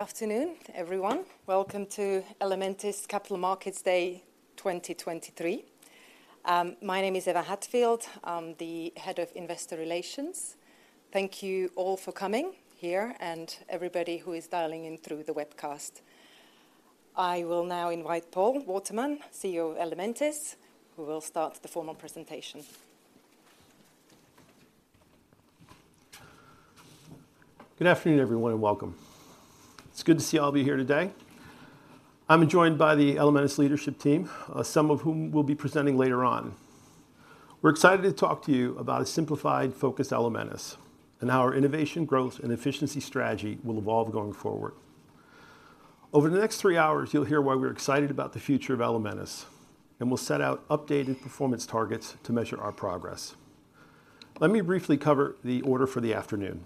Good afternoon, everyone. Welcome to Elementis Capital Markets Day 2023. My name is Eva Hatfield. I'm the Head of Investor Relations. Thank you all for coming here and everybody who is dialing in through the webcast. I will now invite Paul Waterman, CEO of Elementis, who will start the formal presentation. Good afternoon, everyone, and welcome. It's good to see all of you here today. I'm joined by the Elementis leadership team, some of whom will be presenting later on. We're excited to talk to you about a simplified, focused Elementis, and how our innovation, growth, and efficiency strategy will evolve going forward. Over the next three hours, you'll hear why we're excited about the future of Elementis, and we'll set out updated performance targets to measure our progress. Let me briefly cover the order for the afternoon.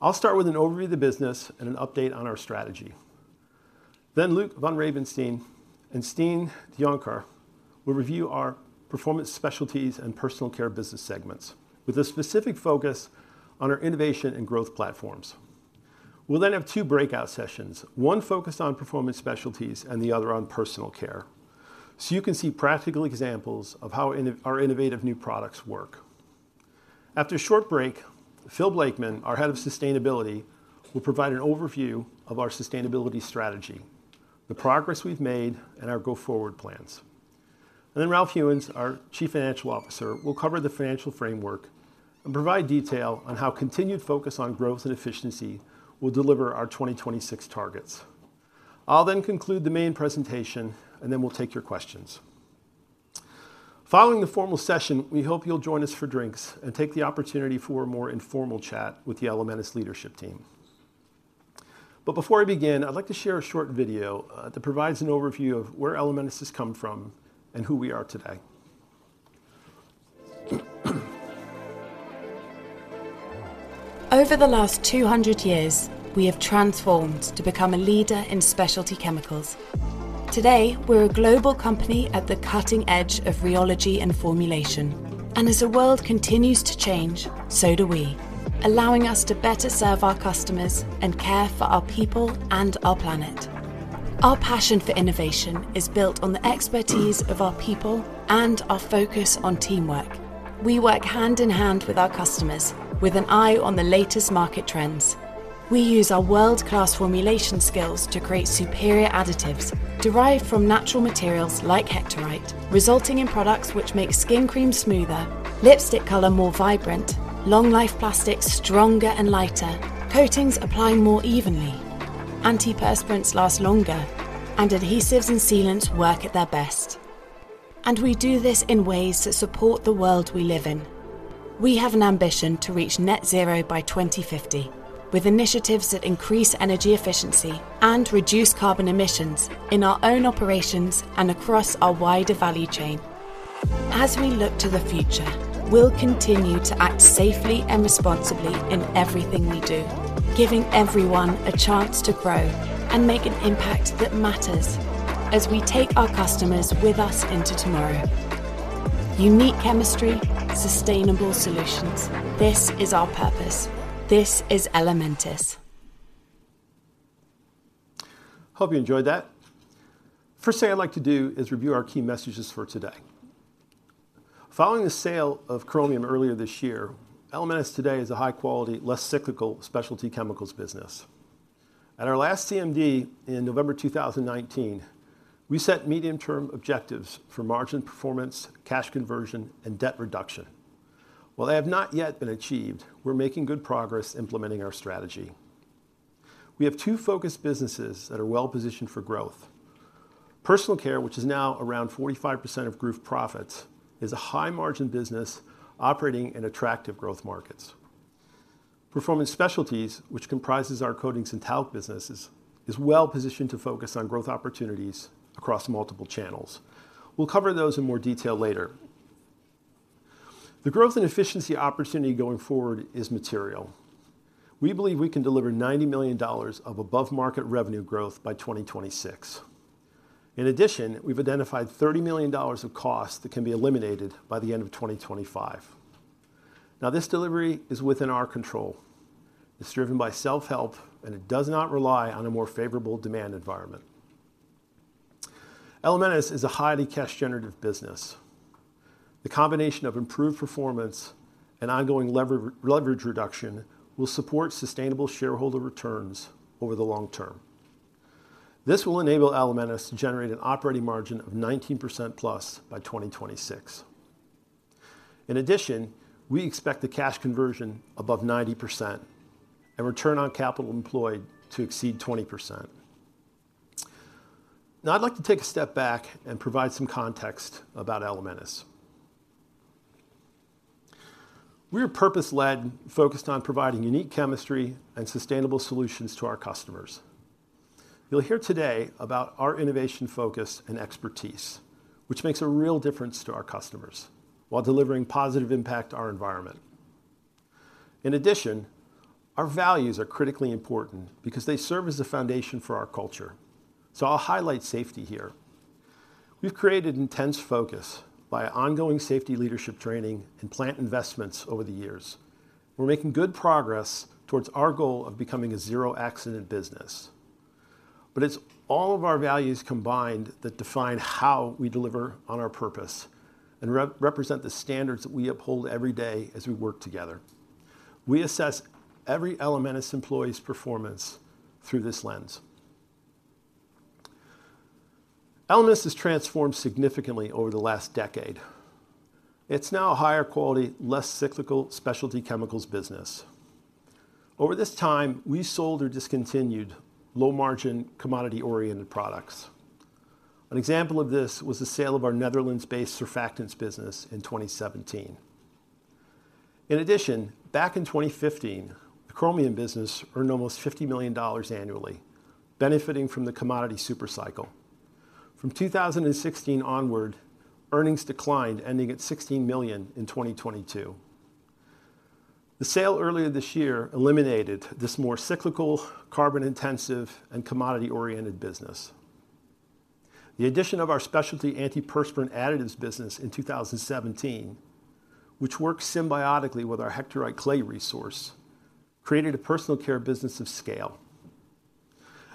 I'll start with an overview of the business and an update on our strategy. Then Luc van Ravenstein and Stijn Dejonckheere will review our Performance Specialties and Personal Care business segments, with a specific focus on our innovation and growth platforms. We'll then have two breakout sessions, one focused on Performance Specialties and the other on Personal Care, so you can see practical examples of how our innovative new products work. After a short break, Phil Blakeman, our Head of Sustainability, will provide an overview of our sustainability strategy, the progress we've made, and our go-forward plans. Then Ralph Hewins, our Chief Financial Officer, will cover the financial framework and provide detail on how continued focus on growth and efficiency will deliver our 2026 targets. I'll then conclude the main presentation, and then we'll take your questions. Following the formal session, we hope you'll join us for drinks and take the opportunity for a more informal chat with the Elementis leadership team. Before I begin, I'd like to share a short video that provides an overview of where Elementis has come from and who we are today. Over the last 200 years, we have transformed to become a leader in specialty chemicals. Today, we're a global company at the cutting edge of rheology and formulation, and as the world continues to change, so do we, allowing us to better serve our customers and care for our people and our planet. Our passion for innovation is built on the expertise of our people and our focus on teamwork. We work hand in hand with our customers with an eye on the latest market trends. We use our world-class formulation skills to create superior additives derived from natural materials like Hectorite, resulting in products which make skin cream smoother, lipstick color more vibrant, long-life plastic stronger and lighter, coatings apply more evenly, Antiperspirants last longer, and adhesives and sealants work at their best. We do this in ways that support the world we live in. We have an ambition to reach Net Zero by 2050, with initiatives that increase energy efficiency and reduce carbon emissions in our own operations and across our wider value chain. As we look to the future, we'll continue to act safely and responsibly in everything we do, giving everyone a chance to grow and make an impact that matters as we take our customers with us into tomorrow. Unique chemistry, sustainable solutions. This is our purpose. This is Elementis. Hope you enjoyed that. First thing I'd like to do is review our key messages for today. Following the sale of Chromium earlier this year, Elementis today is a high quality, less cyclical specialty chemicals business. At our last CMD in November 2019, we set medium-term objectives for margin performance, cash conversion, and debt reduction. While they have not yet been achieved, we're making good progress implementing our strategy. We have two focused businesses that are well positioned for growth. Personal Care, which is now around 45% of group profits, is a high-margin business operating in attractive growth markets. Performance Specialties, which comprises our Coatings and Talc businesses, is well positioned to focus on growth opportunities across multiple channels. We'll cover those in more detail later. The growth and efficiency opportunity going forward is material. We believe we can deliver $90 million of above-market revenue growth by 2026. In addition, we've identified $30 million of costs that can be eliminated by the end of 2025. Now, this delivery is within our control. It's driven by self-help, and it does not rely on a more favorable demand environment. Elementis is a highly cash-generative business. The combination of improved performance and ongoing leverage reduction will support sustainable shareholder returns over the long term. This will enable Elementis to generate an operating margin of 19%+ by 2026. In addition, we expect the cash conversion above 90% and return on capital employed to exceed 20%. Now, I'd like to take a step back and provide some context about Elementis. We are purpose-led, focused on providing unique chemistry and sustainable solutions to our customers. You'll hear today about our innovation focus and expertise, which makes a real difference to our customers while delivering positive impact to our environment. In addition, our values are critically important because they serve as the foundation for our culture. So I'll highlight safety here. We've created intense focus by ongoing safety leadership training and plant investments over the years. We're making good progress towards our goal of becoming a zero accident business. But it's all of our values combined that define how we deliver on our purpose, and represent the standards that we uphold every day as we work together. We assess every Elementis employee's performance through this lens. Elementis has transformed significantly over the last decade. It's now a higher quality, less cyclical specialty chemicals business. Over this time, we sold or discontinued low margin, commodity-oriented products. An example of this was the sale of our Netherlands-based surfactants business in 2017. In addition, back in 2015, the Chromium business earned almost $50 million annually, benefiting from the commodity super cycle. From 2016 onward, earnings declined, ending at $16 million in 2022. The sale earlier this year eliminated this more cyclical, carbon-intensive, and commodity-oriented business. The addition of our specialty antiperspirant additives business in 2017, which works symbiotically with our hectorite clay resource, created a Personal Care business of scale.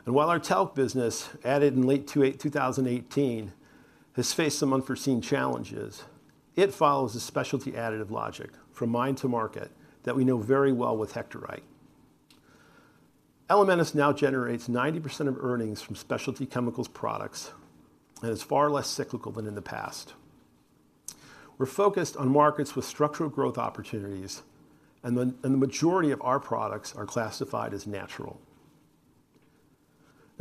And while our Talc business, added in late 2018, has faced some unforeseen challenges, it follows a specialty additive logic from mine to market that we know very well with hectorite. Elementis now generates 90% of earnings from specialty chemicals products and is far less cyclical than in the past. We're focused on markets with structural growth opportunities, and the majority of our products are classified as natural.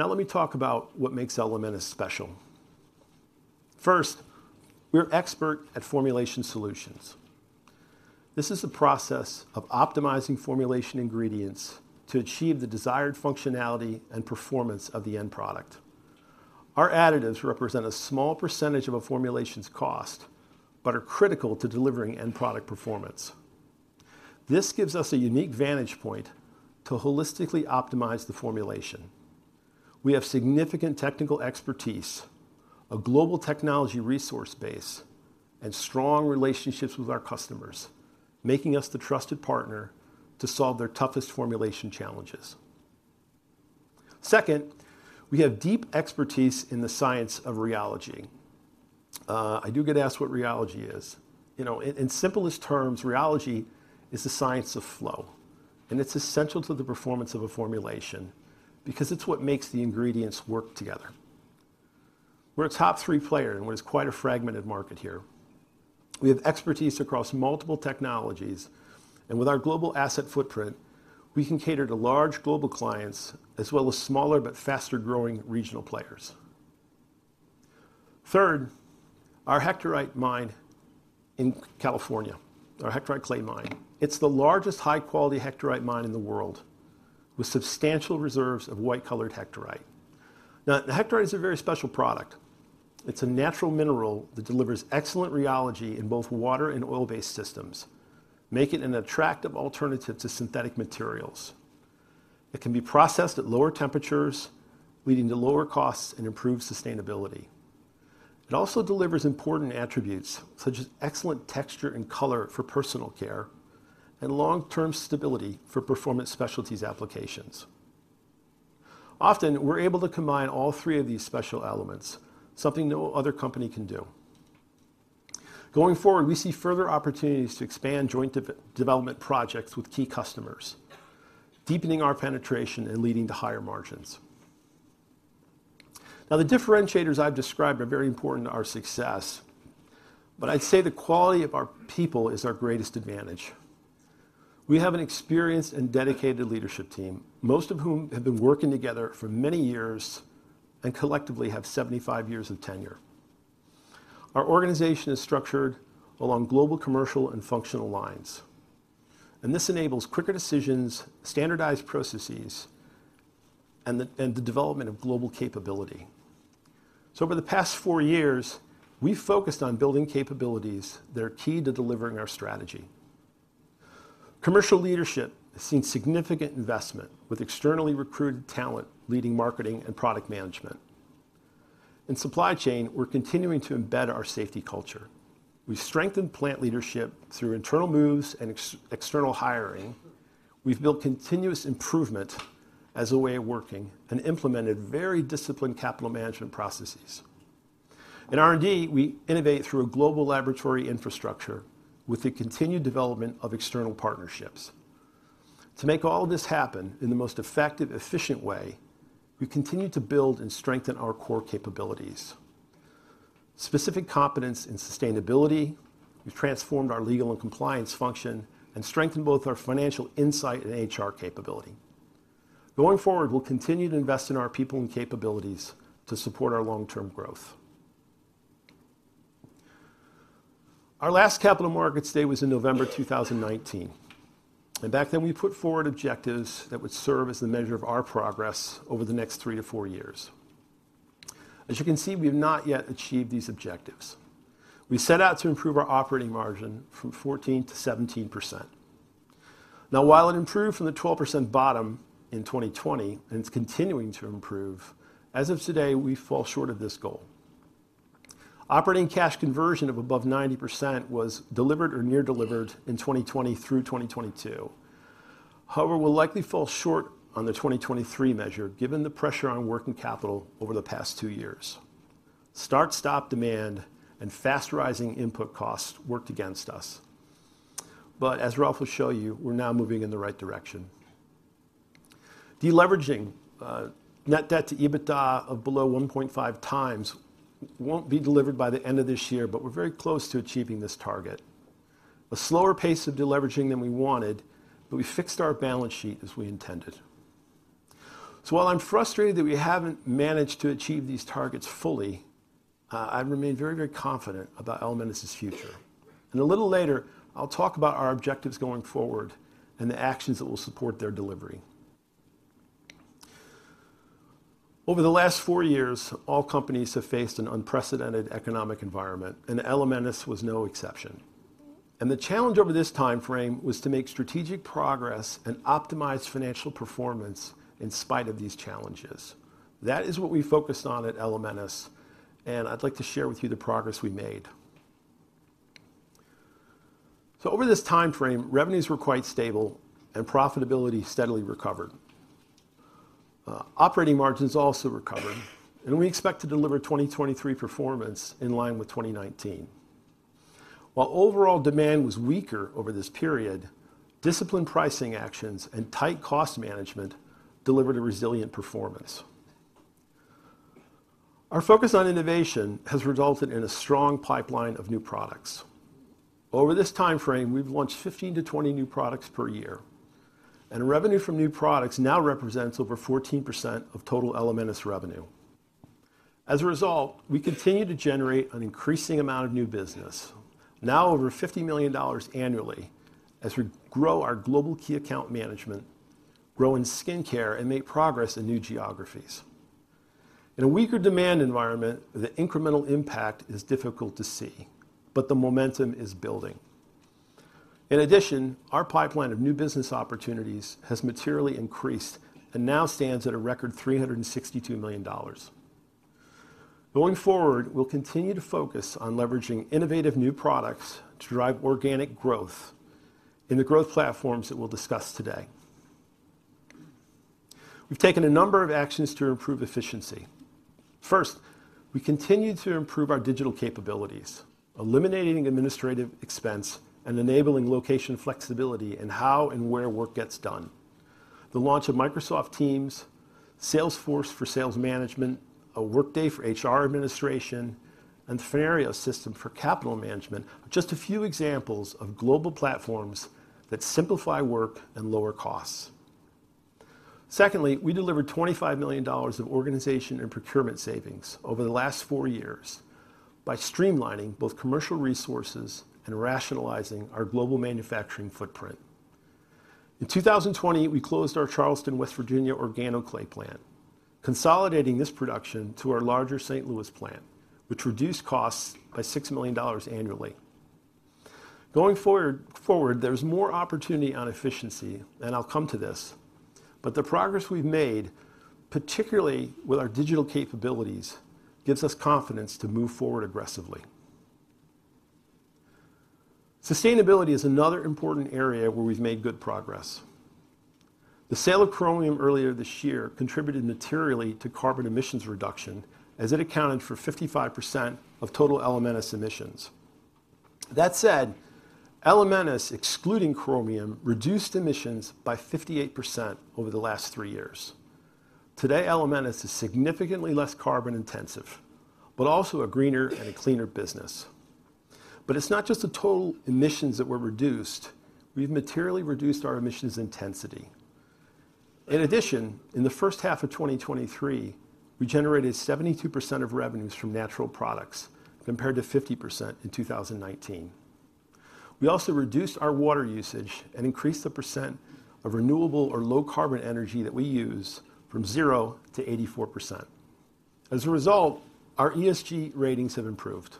Now, let me talk about what makes Elementis special. First, we're expert at formulation solutions. This is the process of optimizing formulation ingredients to achieve the desired functionality and performance of the end product. Our additives represent a small percentage of a formulation's cost, but are critical to delivering end product performance. This gives us a unique vantage point to holistically optimize the formulation. We have significant technical expertise, a global technology resource base, and strong relationships with our customers, making us the trusted partner to solve their toughest formulation challenges. Second, we have deep expertise in the science of rheology. I do get asked what rheology is. You know, in simplest terms, rheology is the science of flow, and it's essential to the performance of a formulation because it's what makes the ingredients work together. We're a top three player in what is quite a fragmented market here. We have expertise across multiple technologies, and with our global asset footprint, we can cater to large global clients as well as smaller but faster-growing regional players. Third, our Hectorite mine in California, our Hectorite clay mine, it's the largest high-quality Hectorite mine in the world, with substantial reserves of white-colored Hectorite. Now, the Hectorite is a very special product. It's a natural mineral that delivers excellent rheology in both water and oil-based systems, making it an attractive alternative to synthetic materials. It can be processed at lower temperatures, leading to lower costs and improved sustainability. It also delivers important attributes, such as excellent texture and color for Personal Care and long-term stability for Performance Specialties applications. Often, we're able to combine all three of these special elements, something no other company can do. Going forward, we see further opportunities to expand joint development projects with key customers, deepening our penetration and leading to higher margins. Now, the differentiators I've described are very important to our success, but I'd say the quality of our people is our greatest advantage. We have an experienced and dedicated leadership team, most of whom have been working together for many years and collectively have 75 years of tenure. Our organization is structured along global, commercial, and functional lines, and this enables quicker decisions, standardized processes, and the development of global capability. So over the past four years, we've focused on building capabilities that are key to delivering our strategy. Commercial leadership has seen significant investment, with externally recruited talent leading marketing and product management. In supply chain, we're continuing to embed our safety culture. We've strengthened plant leadership through internal moves and external hiring. We've built continuous improvement as a way of working and implemented very disciplined capital management processes. In R&D, we innovate through a global laboratory infrastructure with the continued development of external partnerships. To make all of this happen in the most effective, efficient way, we continue to build and strengthen our core capabilities. Specific competence in sustainability, we've transformed our legal and compliance function and strengthened both our financial insight and HR capability. Going forward, we'll continue to invest in our people and capabilities to support our long-term growth. Our last Capital Markets Day was in November 2019, and back then, we put forward objectives that would serve as the measure of our progress over the next 3-4 years. As you can see, we have not yet achieved these objectives. We set out to improve our operating margin from 14%-17%. Now, while it improved from the 12% bottom in 2020, and it's continuing to improve, as of today, we fall short of this goal. Operating cash conversion of above 90% was delivered or near delivered in 2020 through 2022. However, we'll likely fall short on the 2023 measure, given the pressure on working capital over the past two years. Start-stop demand and fast-rising input costs worked against us. But as Ralph will show you, we're now moving in the right direction. Deleveraging, net debt to EBITDA of below 1.5x won't be delivered by the end of this year, but we're very close to achieving this target. A slower pace of deleveraging than we wanted, but we fixed our balance sheet as we intended. So while I'm frustrated that we haven't managed to achieve these targets fully, I remain very, very confident about Elementis' future. A little later, I'll talk about our objectives going forward and the actions that will support their delivery. Over the last four years, all companies have faced an unprecedented economic environment, and Elementis was no exception. The challenge over this timeframe was to make strategic progress and optimize financial performance in spite of these challenges. That is what we focused on at Elementis, and I'd like to share with you the progress we made. So over this timeframe, revenues were quite stable and profitability steadily recovered. Operating margins also recovered, and we expect to deliver 2023 performance in line with 2019. While overall demand was weaker over this period, disciplined pricing actions and tight cost management delivered a resilient performance. Our focus on innovation has resulted in a strong pipeline of new products. Over this timeframe, we've launched 15-20 new products per year, and revenue from new products now represents over 14% of total Elementis revenue. As a result, we continue to generate an increasing amount of new business, now over $50 million annually, as we grow our global key account management, grow in Skin Care, and make progress in new geographies. In a weaker demand environment, the incremental impact is difficult to see, but the momentum is building. In addition, our pipeline of new business opportunities has materially increased and now stands at a record $362 million. Going forward, we'll continue to focus on leveraging innovative new products to drive organic growth in the growth platforms that we'll discuss today. We've taken a number of actions to improve efficiency. First, we continued to improve our digital capabilities, eliminating administrative expense and enabling location flexibility in how and where work gets done. The launch of Microsoft Teams, Salesforce for sales management, a Workday for HR administration, and the Infor LN system for capital management are just a few examples of global platforms that simplify work and lower costs. Secondly, we delivered $25 million of organization and procurement savings over the last four years by streamlining both commercial resources and rationalizing our global manufacturing footprint. In 2020, we closed our Charleston, West Virginia, organoclay plant, consolidating this production to our larger St. Louis plant, which reduced costs by $6 million annually. Going forward, there's more opportunity on efficiency, and I'll come to this, but the progress we've made, particularly with our digital capabilities, gives us confidence to move forward aggressively. Sustainability is another important area where we've made good progress. The sale of Chromium earlier this year contributed materially to carbon emissions reduction, as it accounted for 55% of total Elementis emissions. That said, Elementis, excluding Chromium, reduced emissions by 58% over the last three years. Today, Elementis is significantly less carbon intensive, but also a greener and a cleaner business. But it's not just the total emissions that were reduced; we've materially reduced our emissions intensity. In addition, in the first half of 2023, we generated 72% of revenues from natural products, compared to 50% in 2019. We also reduced our water usage and increased the percent of renewable or low carbon energy that we use from 0%-84%. As a result, our ESG ratings have improved.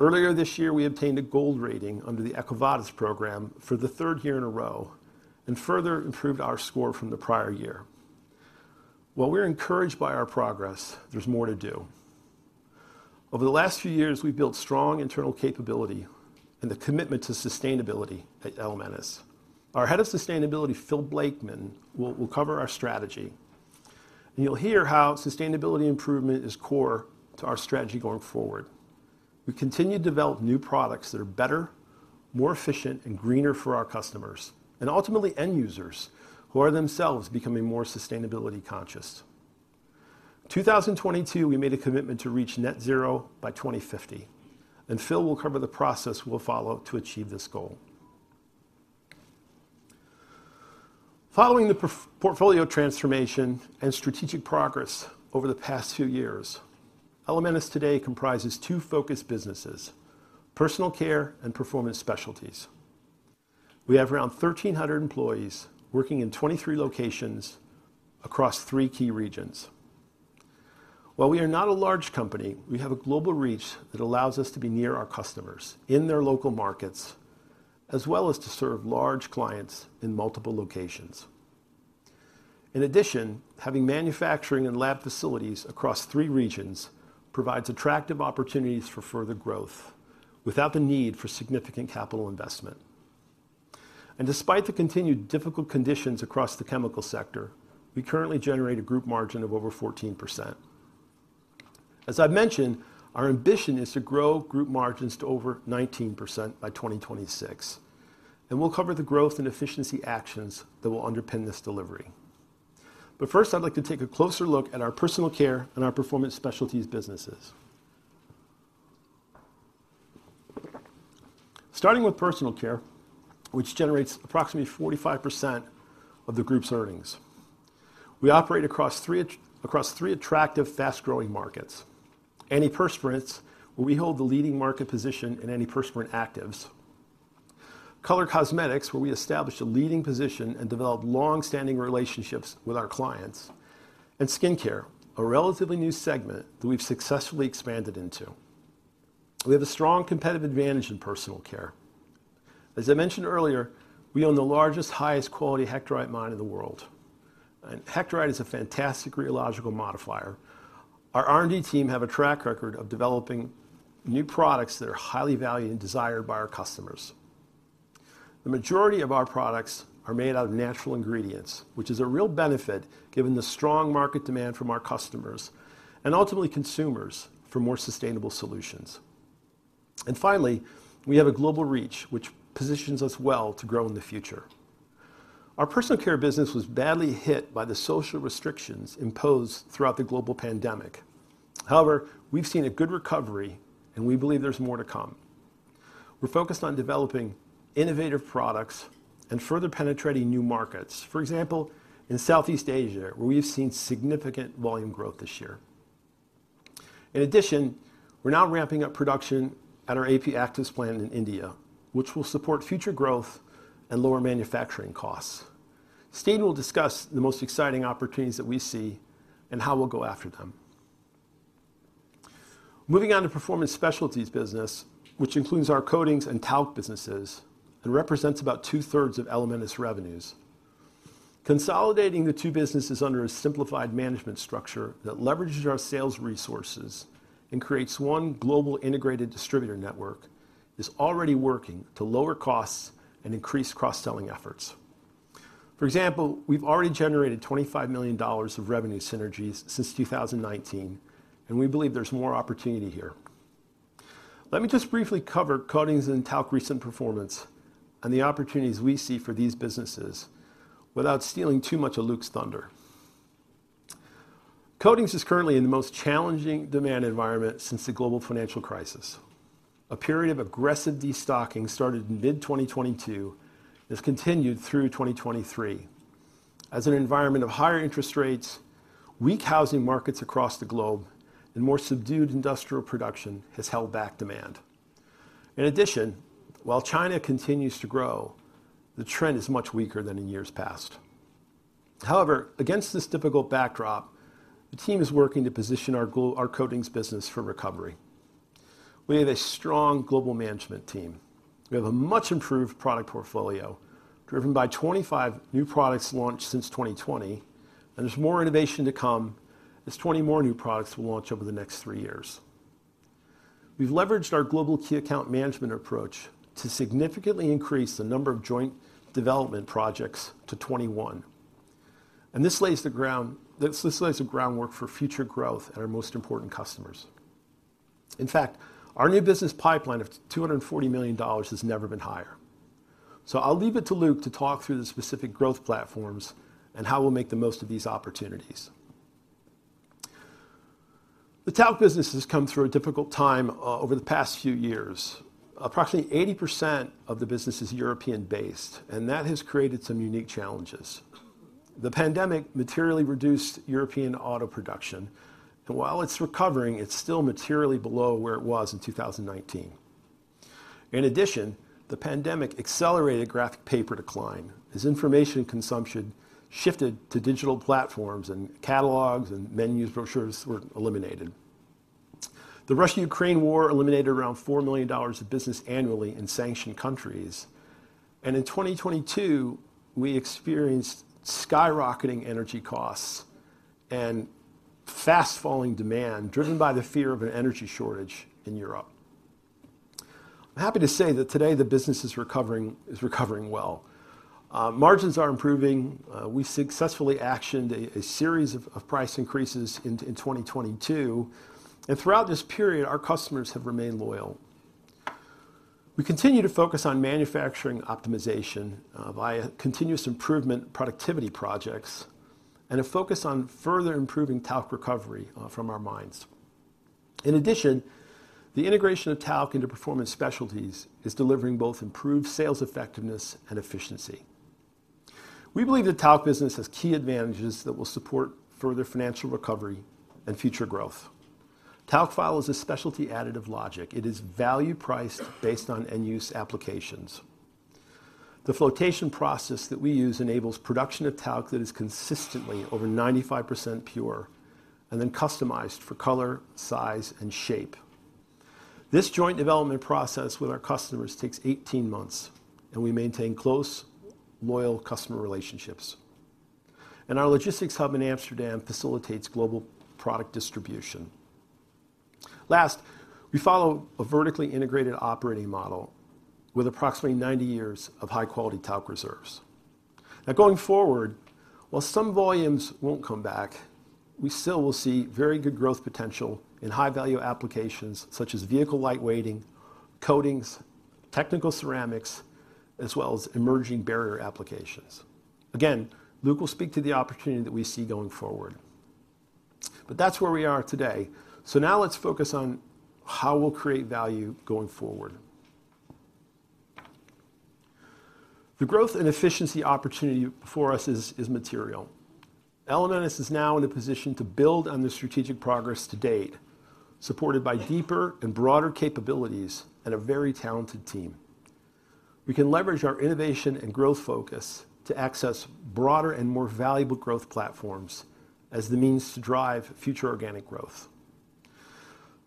Earlier this year, we obtained a gold rating under the EcoVadis program for the third year in a row and further improved our score from the prior year. While we're encouraged by our progress, there's more to do. Over the last few years, we've built strong internal capability and the commitment to sustainability at Elementis. Our Head of Sustainability, Phil Blakeman, will cover our strategy. You'll hear how sustainability improvement is core to our strategy going forward. We continue to develop new products that are better, more efficient, and greener for our customers, and ultimately, end users, who are themselves becoming more sustainability conscious. In 2022, we made a commitment to reach Net Zero by 2050, and Phil will cover the process we'll follow to achieve this goal. Following the portfolio transformation and strategic progress over the past few years, Elementis today comprises two focused businesses: Personal Care and Performance Specialties. We have around 1,300 employees working in 23 locations across three key regions. While we are not a large company, we have a global reach that allows us to be near our customers in their local markets, as well as to serve large clients in multiple locations. In addition, having manufacturing and lab facilities across three regions provides attractive opportunities for further growth without the need for significant capital investment. Despite the continued difficult conditions across the chemical sector, we currently generate a group margin of over 14%. As I've mentioned, our ambition is to grow group margins to over 19% by 2026, and we'll cover the growth and efficiency actions that will underpin this delivery. But first, I'd like to take a closer look at our Personal Care and our Performance Specialties businesses. Starting with Personal Care, which generates approximately 45% of the group's earnings. We operate across three attractive, fast-growing markets. Antiperspirants, where we hold the leading market position in antiperspirant actives. Color cosmetics, where we established a leading position and developed longstanding relationships with our clients. And Skin Care, a relatively new segment that we've successfully expanded into. We have a strong competitive advantage in Personal Care. As I mentioned earlier, we own the largest, highest quality Hectorite mine in the world, and Hectorite is a fantastic rheological modifier. Our R&D team have a track record of developing new products that are highly valued and desired by our customers. The majority of our products are made out of natural ingredients, which is a real benefit given the strong market demand from our customers and ultimately consumers for more sustainable solutions. Finally, we have a global reach, which positions us well to grow in the future. Our Personal Care business was badly hit by the social restrictions imposed throughout the global pandemic. However, we've seen a good recovery, and we believe there's more to come. We're focused on developing innovative products and further penetrating new markets, for example, in Southeast Asia, where we've seen significant volume growth this year. In addition, we're now ramping up production at our AP actives plant in India, which will support future growth and lower manufacturing costs. Stijn will discuss the most exciting opportunities that we see and how we'll go after them. Moving on to Performance Specialties business, which includes our Coatings and Talc businesses and represents about two-thirds of Elementis revenues. Consolidating the two businesses under a simplified management structure that leverages our sales resources and creates one global integrated distributor network, is already working to lower costs and increase cross-selling efforts. For example, we've already generated $25 million of revenue synergies since 2019, and we believe there's more opportunity here. Let me just briefly cover Coatings and Talc recent performance and the opportunities we see for these businesses without stealing too much of Luc's thunder. Coatings is currently in the most challenging demand environment since the global financial crisis. A period of aggressive destocking started in mid-2022, and has continued through 2023. As an environment of higher interest rates, weak housing markets across the globe, and more subdued industrial production has held back demand. In addition, while China continues to grow, the trend is much weaker than in years past. However, against this difficult backdrop, the team is working to position our Coatings business for recovery. We have a strong global management team. We have a much improved product portfolio, driven by 25 new products launched since 2020, and there's more innovation to come as 20 more new products will launch over the next three years. We've leveraged our global key account management approach to significantly increase the number of joint development projects to 21, and this lays the ground, this lays the groundwork for future growth at our most important customers. In fact, our new business pipeline of $240 million has never been higher. So I'll leave it to Luc to talk through the specific growth platforms and how we'll make the most of these opportunities. The Talc business has come through a difficult time over the past few years. Approximately 80% of the business is European-based, and that has created some unique challenges. The pandemic materially reduced European auto production, and while it's recovering, it's still materially below where it was in 2019. In addition, the pandemic accelerated graphic paper decline, as information consumption shifted to digital platforms and catalogs and menus, brochures were eliminated. The Russia-Ukraine war eliminated around $4 million of business annually in sanctioned countries, and in 2022, we experienced skyrocketing energy costs and fast falling demand, driven by the fear of an energy shortage in Europe. I'm happy to say that today, the business is recovering, is recovering well. Margins are improving. We successfully actioned a series of price increases in 2022, and throughout this period, our customers have remained loyal. We continue to focus on manufacturing optimization via continuous improvement productivity projects and a focus on further improving Talc recovery from our mines. In addition, the integration of Talc into Performance Specialties is delivering both improved sales effectiveness and efficiency. We believe the Talc business has key advantages that will support further financial recovery and future growth. Talc follows a specialty additive logic. It is value-priced based on end-use applications. The flotation process that we use enables production of Talc that is consistently over 95% pure and then customized for color, size, and shape. This joint development process with our customers takes 18 months, and we maintain close, loyal customer relationships. Our logistics hub in Amsterdam facilitates global product distribution. Last, we follow a vertically integrated operating model with approximately 90 years of high quality Talc reserves. Now going forward, while some volumes won't come back, we still will see very good growth potential in high value applications such as vehicle lightweighting, coatings, technical ceramics, as well as emerging barrier applications. Again, Luc will speak to the opportunity that we see going forward. But that's where we are today. So now let's focus on how we'll create value going forward. The growth and efficiency opportunity for us is material. Elementis is now in a position to build on the strategic progress to date, supported by deeper and broader capabilities and a very talented team. We can leverage our innovation and growth focus to access broader and more valuable growth platforms as the means to drive future organic growth.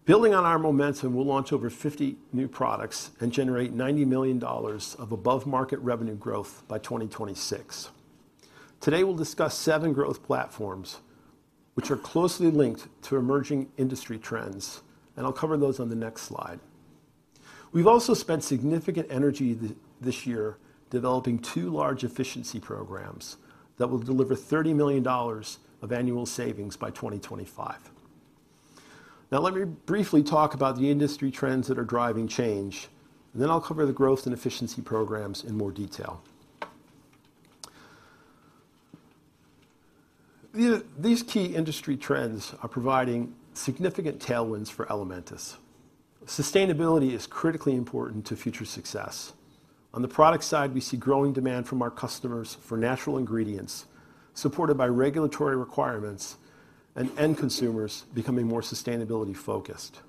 Building on our momentum, we'll launch over 50 new products and generate $90 million of above-market revenue growth by 2026. Today, we'll discuss seven growth platforms, which are closely linked to emerging industry trends, and I'll cover those on the next slide. We've also spent significant energy this year developing two large efficiency programs that will deliver $30 million of annual savings by 2025. Now, let me briefly talk about the industry trends that are driving change, and then I'll cover the growth and efficiency programs in more detail. These key industry trends are providing significant tailwinds for Elementis. Sustainability is critically important to future success. On the product side, we see growing demand from our customers for natural ingredients, supported by regulatory requirements and end consumers becoming more sustainability focused.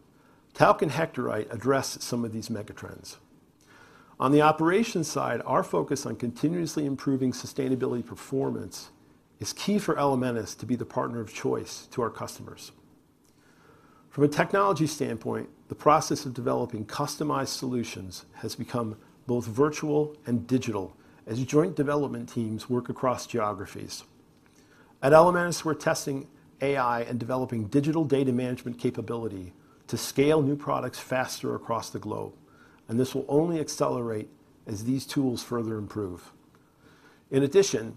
Talc and Hectorite address some of these megatrends. On the operations side, our focus on continuously improving sustainability performance is key for Elementis to be the partner of choice to our customers. From a technology standpoint, the process of developing customized solutions has become both virtual and digital as joint development teams work across geographies. At Elementis, we're testing AI and developing digital data management capability to scale new products faster across the globe, and this will only accelerate as these tools further improve. In addition,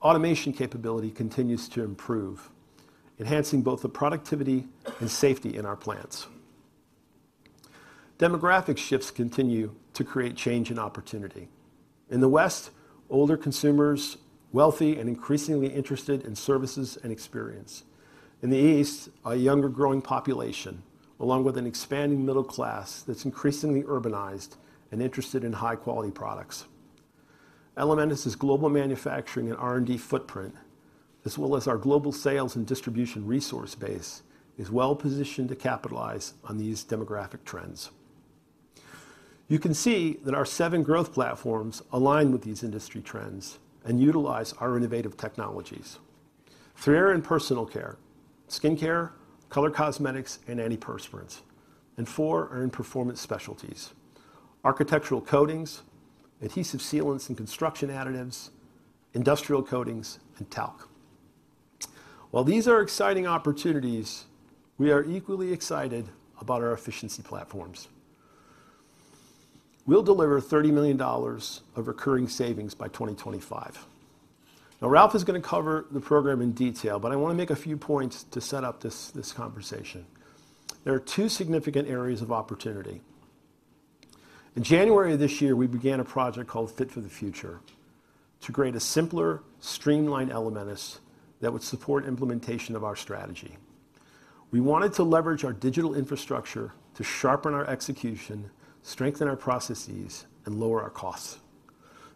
automation capability continues to improve, enhancing both the productivity and safety in our plants. Demographic shifts continue to create change and opportunity. In the West, older consumers, wealthy and increasingly interested in services and experience. In the East, a younger growing population, along with an expanding middle class that's increasingly urbanized and interested in high-quality products. Elementis' global manufacturing and R&D footprint, as well as our global sales and distribution resource base, is well positioned to capitalize on these demographic trends. You can see that our seven growth platforms align with these industry trends and utilize our innovative technologies. Three are in Personal Care: Skin Care, Color Cosmetics, and Antiperspirants. Four are in Performance Specialties: Architectural Coatings, Adhesive Sealants & Construction Additives, Industrial Coatings, and Talc. While these are exciting opportunities, we are equally excited about our efficiency platforms. We'll deliver $30 million of recurring savings by 2025. Now, Ralph is going to cover the program in detail, but I want to make a few points to set up this, this conversation. There are two significant areas of opportunity. In January of this year, we began a project called Fit for the Future to create a simpler, streamlined Elementis that would support implementation of our strategy. We wanted to leverage our digital infrastructure to sharpen our execution, strengthen our processes, and lower our costs.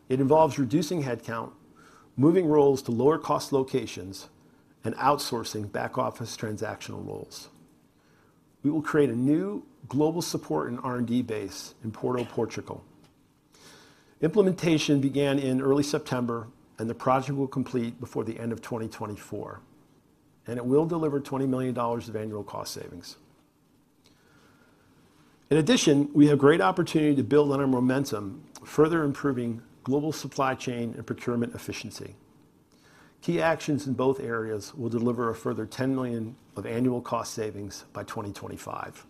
It involves reducing headcount, moving roles to lower-cost locations, and outsourcing back-office transactional roles. We will create a new global support and R&D base in Porto, Portugal. Implementation began in early September, and the project will complete before the end of 2024, and it will deliver $20 million of annual cost savings. In addition, we have great opportunity to build on our momentum, further improving global supply chain and procurement efficiency. Key actions in both areas will deliver a further $10 million of annual cost savings by 2025.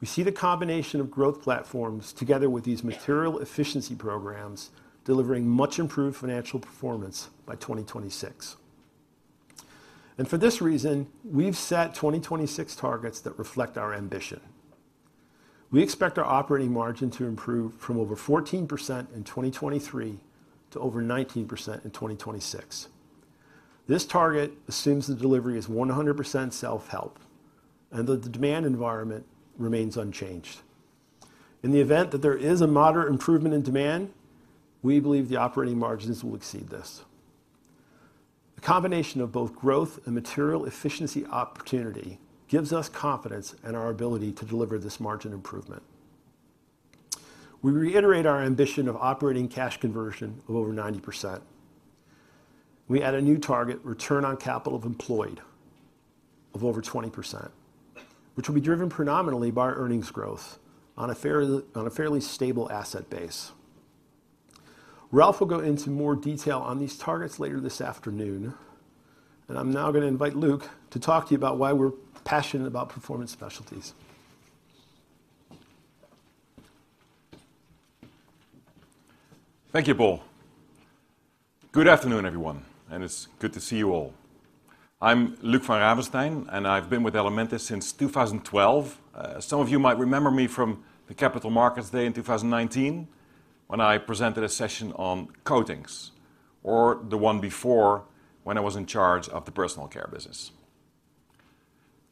We see the combination of growth platforms together with these material efficiency programs, delivering much improved financial performance by 2026. And for this reason, we've set 2026 targets that reflect our ambition. We expect our operating margin to improve from over 14% in 2023 to over 19% in 2026. This target assumes the delivery is 100% self-help and that the demand environment remains unchanged. In the event that there is a moderate improvement in demand, we believe the operating margins will exceed this. A combination of both growth and material efficiency opportunity gives us confidence in our ability to deliver this margin improvement. We reiterate our ambition of operating cash conversion of over 90%. We add a new target: return on capital employed of over 20%, which will be driven predominantly by our earnings growth on a fairly stable asset base. Ralph will go into more detail on these targets later this afternoon, and I'm now going to invite Luc to talk to you about why we're passionate about Performance Specialties. Thank you, Paul. Good afternoon, everyone, and it's good to see you all. I'm Luc van Ravenstein, and I've been with Elementis since 2012. Some of you might remember me from the Capital Markets Day in 2019, when I presented a session on coatings, or the one before, when I was in charge of the Personal Care business.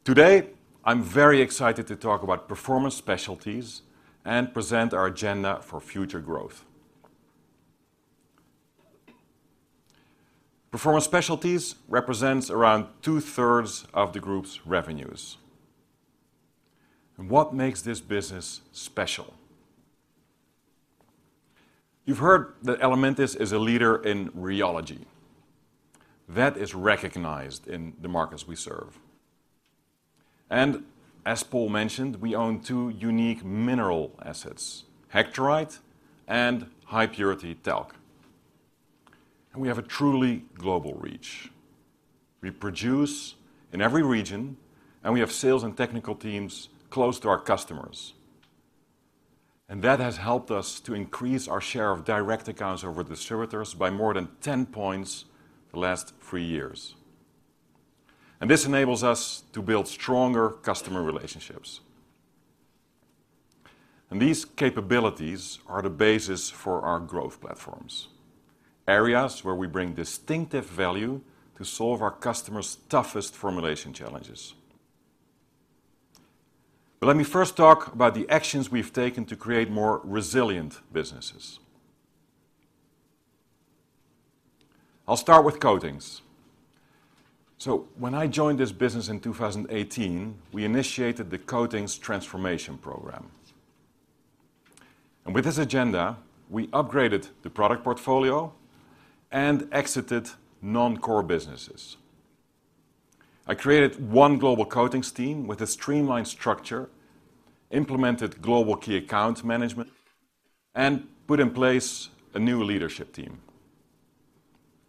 Today, I'm very excited to talk about Performance Specialties and present our agenda for future growth. Performance Specialties represents around two-thirds of the group's revenues. What makes this business special? You've heard that Elementis is a leader in rheology. That is recognized in the markets we serve. As Paul mentioned, we own two unique mineral assets: Hectorite and High-Purity Talc. We have a truly global reach. We produce in every region, and we have sales and technical teams close to our customers. That has helped us to increase our share of direct accounts over distributors by more than 10 points the last three years. This enables us to build stronger customer relationships. These capabilities are the basis for our growth platforms, areas where we bring distinctive value to solve our customers' toughest formulation challenges. But let me first talk about the actions we've taken to create more resilient businesses. I'll start with coatings. When I joined this business in 2018, we initiated the Coatings Transformation Program. With this agenda, we upgraded the product portfolio and exited non-core businesses. I created one global coatings team with a streamlined structure, implemented global key account management, and put in place a new leadership team.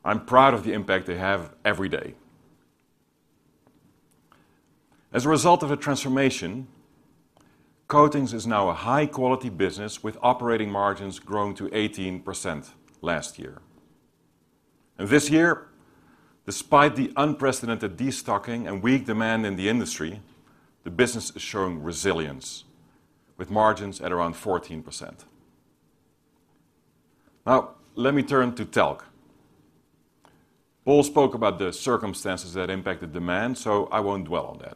I'm proud of the impact they have every day. As a result of the transformation, Coatings is now a high-quality business, with operating margins growing to 18% last year. This year, despite the unprecedented destocking and weak demand in the industry, the business is showing resilience, with margins at around 14%. Now, let me turn to Talc. Paul spoke about the circumstances that impacted demand, so I won't dwell on that.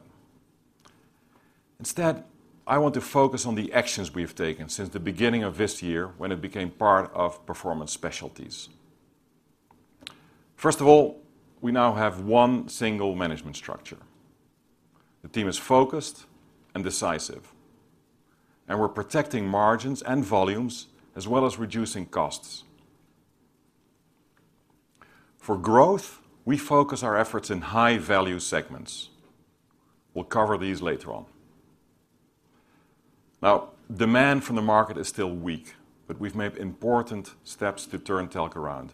Instead, I want to focus on the actions we've taken since the beginning of this year when it became part of Performance Specialties. First of all, we now have one single management structure. The team is focused and decisive, and we're protecting margins and volumes, as well as reducing costs. For growth, we focus our efforts in high-value segments. We'll cover these later on. Now, demand from the market is still weak, but we've made important steps to turn Talc around,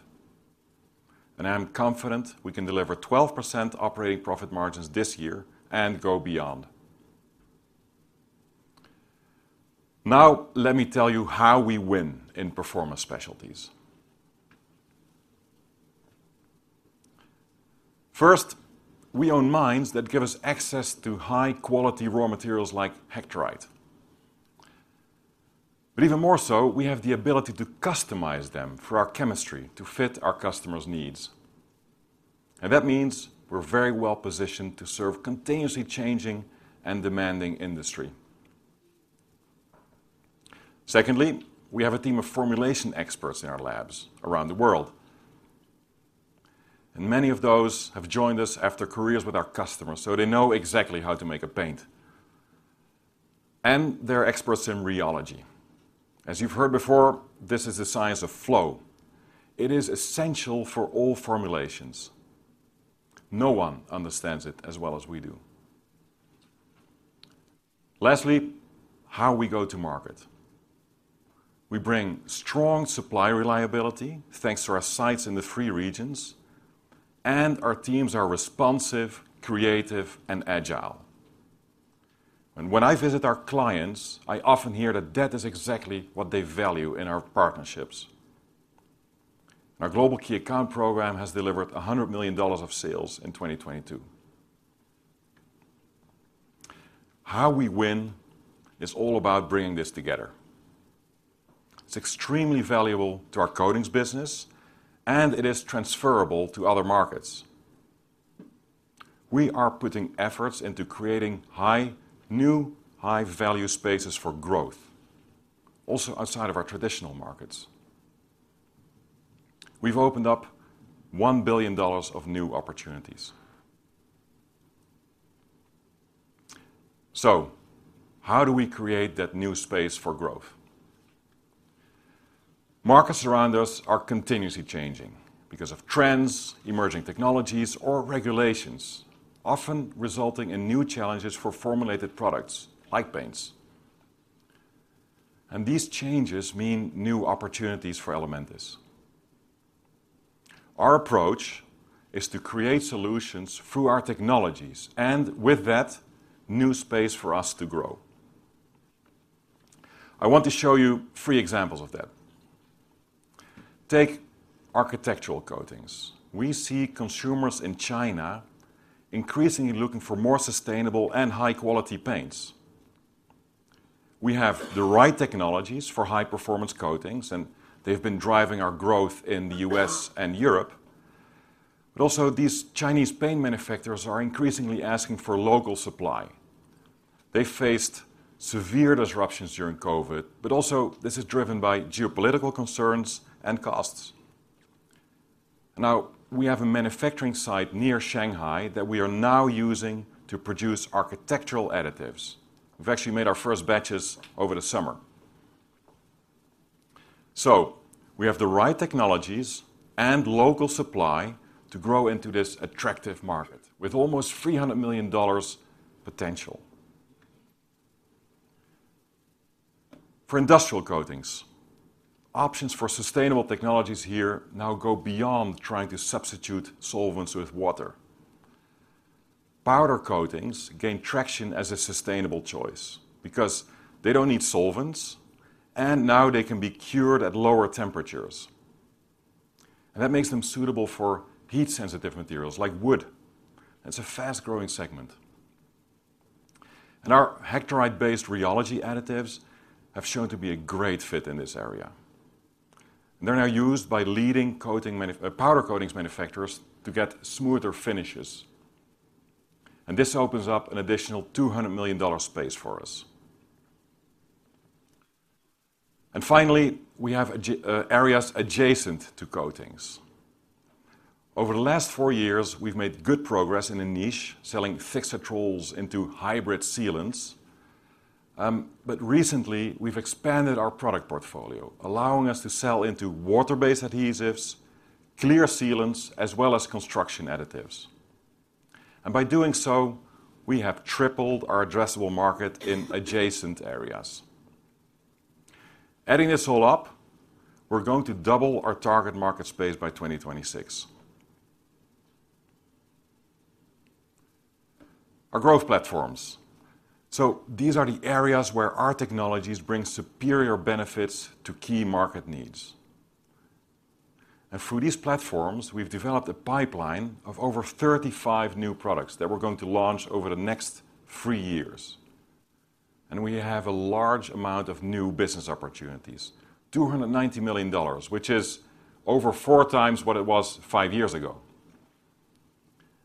and I'm confident we can deliver 12% operating profit margins this year and go beyond. Now, let me tell you how we win in Performance Specialties. First, we own mines that give us access to high-quality raw materials like Hectorite. But even more so, we have the ability to customize them for our chemistry to fit our customers' needs, and that means we're very well positioned to serve continuously changing and demanding industry. Secondly, we have a team of formulation experts in our labs around the world, and many of those have joined us after careers with our customers, so they know exactly how to make a paint. And they're experts in rheology. As you've heard before, this is the science of flow. It is essential for all formulations. No one understands it as well as we do. Lastly, how we go to market. We bring strong supply reliability, thanks to our sites in the three regions, and our teams are responsive, creative, and agile. And when I visit our clients, I often hear that that is exactly what they value in our partnerships. Our global key account program has delivered $100 million of sales in 2022. How we win is all about bringing this together. It's extremely valuable to our coatings business, and it is transferable to other markets. We are putting efforts into creating high, new high-value spaces for growth, also outside of our traditional markets. We've opened up $1 billion of new opportunities. So how do we create that new space for growth? Markets around us are continuously changing because of trends, emerging technologies, or regulations, often resulting in new challenges for formulated products like paints. These changes mean new opportunities for Elementis. Our approach is to create solutions through our technologies, and with that, new space for us to grow. I want to show you three examples of that. Take Architectural Coatings. We see consumers in China increasingly looking for more sustainable and high-quality paints. We have the right technologies for high-performance coatings, and they've been driving our growth in the U.S. and Europe. Also, these Chinese paint manufacturers are increasingly asking for local supply. They faced severe disruptions during COVID, but also this is driven by geopolitical concerns and costs. Now, we have a manufacturing site near Shanghai that we are now using to produce architectural additives. We've actually made our first batches over the summer. So we have the right technologies and local supply to grow into this attractive market, with almost $300 million potential. For Industrial Coatings, options for sustainable technologies here now go beyond trying to substitute solvents with water. Powder coatings gain traction as a sustainable choice because they don't need solvents, and now they can be cured at lower temperatures, and that makes them suitable for heat-sensitive materials like wood. That's a fast-growing segment. Our hectorite-based rheology additives have shown to be a great fit in this area. They're now used by leading powder coatings manufacturers to get smoother finishes, and this opens up an additional $200 million space for us. Finally, we have adjacent areas to coatings. Over the last four years, we've made good progress in a niche selling THIXATROLS into hybrid sealants. But recently, we've expanded our product portfolio, allowing us to sell into water-based adhesives, clear sealants, as well as construction additives. And by doing so, we have tripled our addressable market in adjacent areas. Adding this all up, we're going to double our target market space by 2026. Our growth platforms. So these are the areas where our technologies bring superior benefits to key market needs. And through these platforms, we've developed a pipeline of over 35 new products that we're going to launch over the next three years, and we have a large amount of new business opportunities, $290 million, which is over 4 times what it was 5 years ago.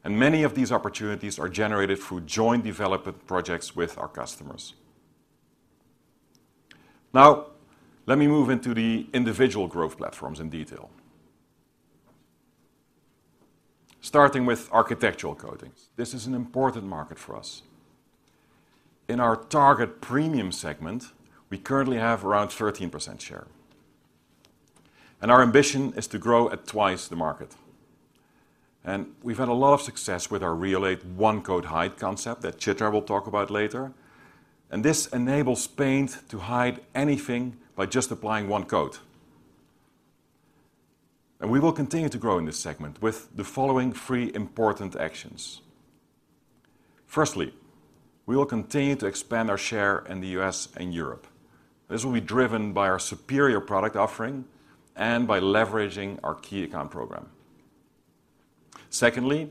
And many of these opportunities are generated through joint development projects with our customers. Now, let me move into the individual growth platforms in detail. Starting with Architectural Coatings. This is an important market for us. In our target premium segment, we currently have around 13% share, and our ambition is to grow at twice the market. We've had a lot of success with our RHEOLATE one-coat hide concept that Chitra will talk about later, and this enables paint to hide anything by just applying one coat. We will continue to grow in this segment with the following three important actions. Firstly, we will continue to expand our share in the U.S. and Europe. This will be driven by our superior product offering and by leveraging our key account program. Secondly,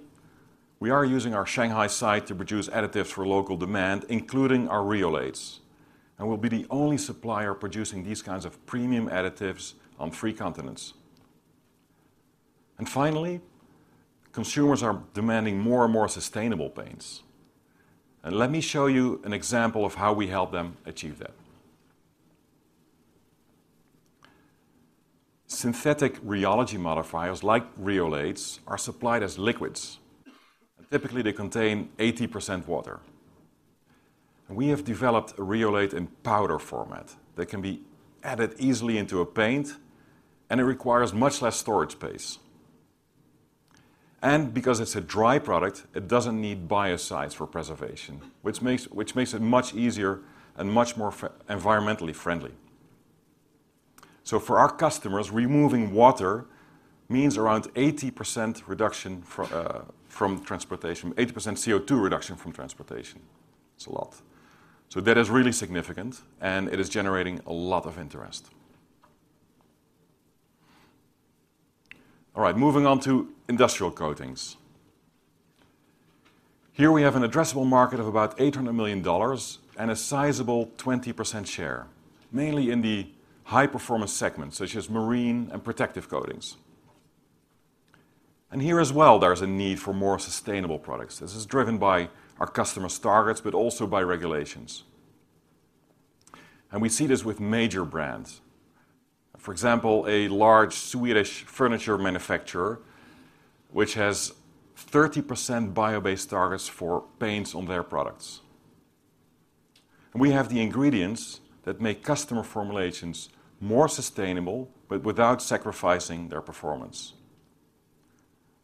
we are using our Shanghai site to produce additives for local demand, including our RHEOLATES, and we'll be the only supplier producing these kinds of premium additives on three continents. Finally, consumers are demanding more and more sustainable paints. And let me show you an example of how we help them achieve that. Synthetic rheology modifiers, like RHEOLATE, are supplied as liquids. Typically, they contain 80% water. We have developed a RHEOLATE in powder format that can be added easily into a paint, and it requires much less storage space. And because it's a dry product, it doesn't need biocides for preservation, which makes it much easier and much more environmentally friendly. So for our customers, removing water means around 80% reduction from transportation, 80% CO2 reduction from transportation. It's a lot. So that is really significant, and it is generating a lot of interest. All right, moving on to Industrial Coatings. Here we have an addressable market of about $800 million and a sizable 20% share, mainly in the high-performance segments, such as marine and protective coatings. Here as well, there's a need for more sustainable products. This is driven by our customer targets, but also by regulations. We see this with major brands. For example, a large Swedish furniture manufacturer, which has 30% bio-based targets for paints on their products. We have the ingredients that make customer formulations more sustainable, but without sacrificing their performance.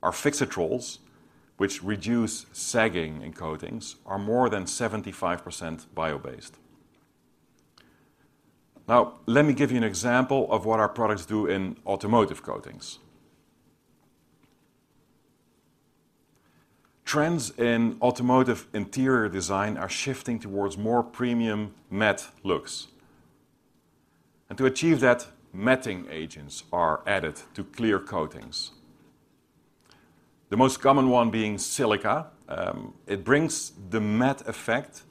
Our THIXATROL, which reduce sagging in coatings, are more than 75% bio-based. Now, let me give you an example of what our products do in automotive coatings. Trends in automotive interior design are shifting towards more premium matte looks, and to achieve that, matting agents are added to clear coatings. The most common one being silica. It brings the matte effect,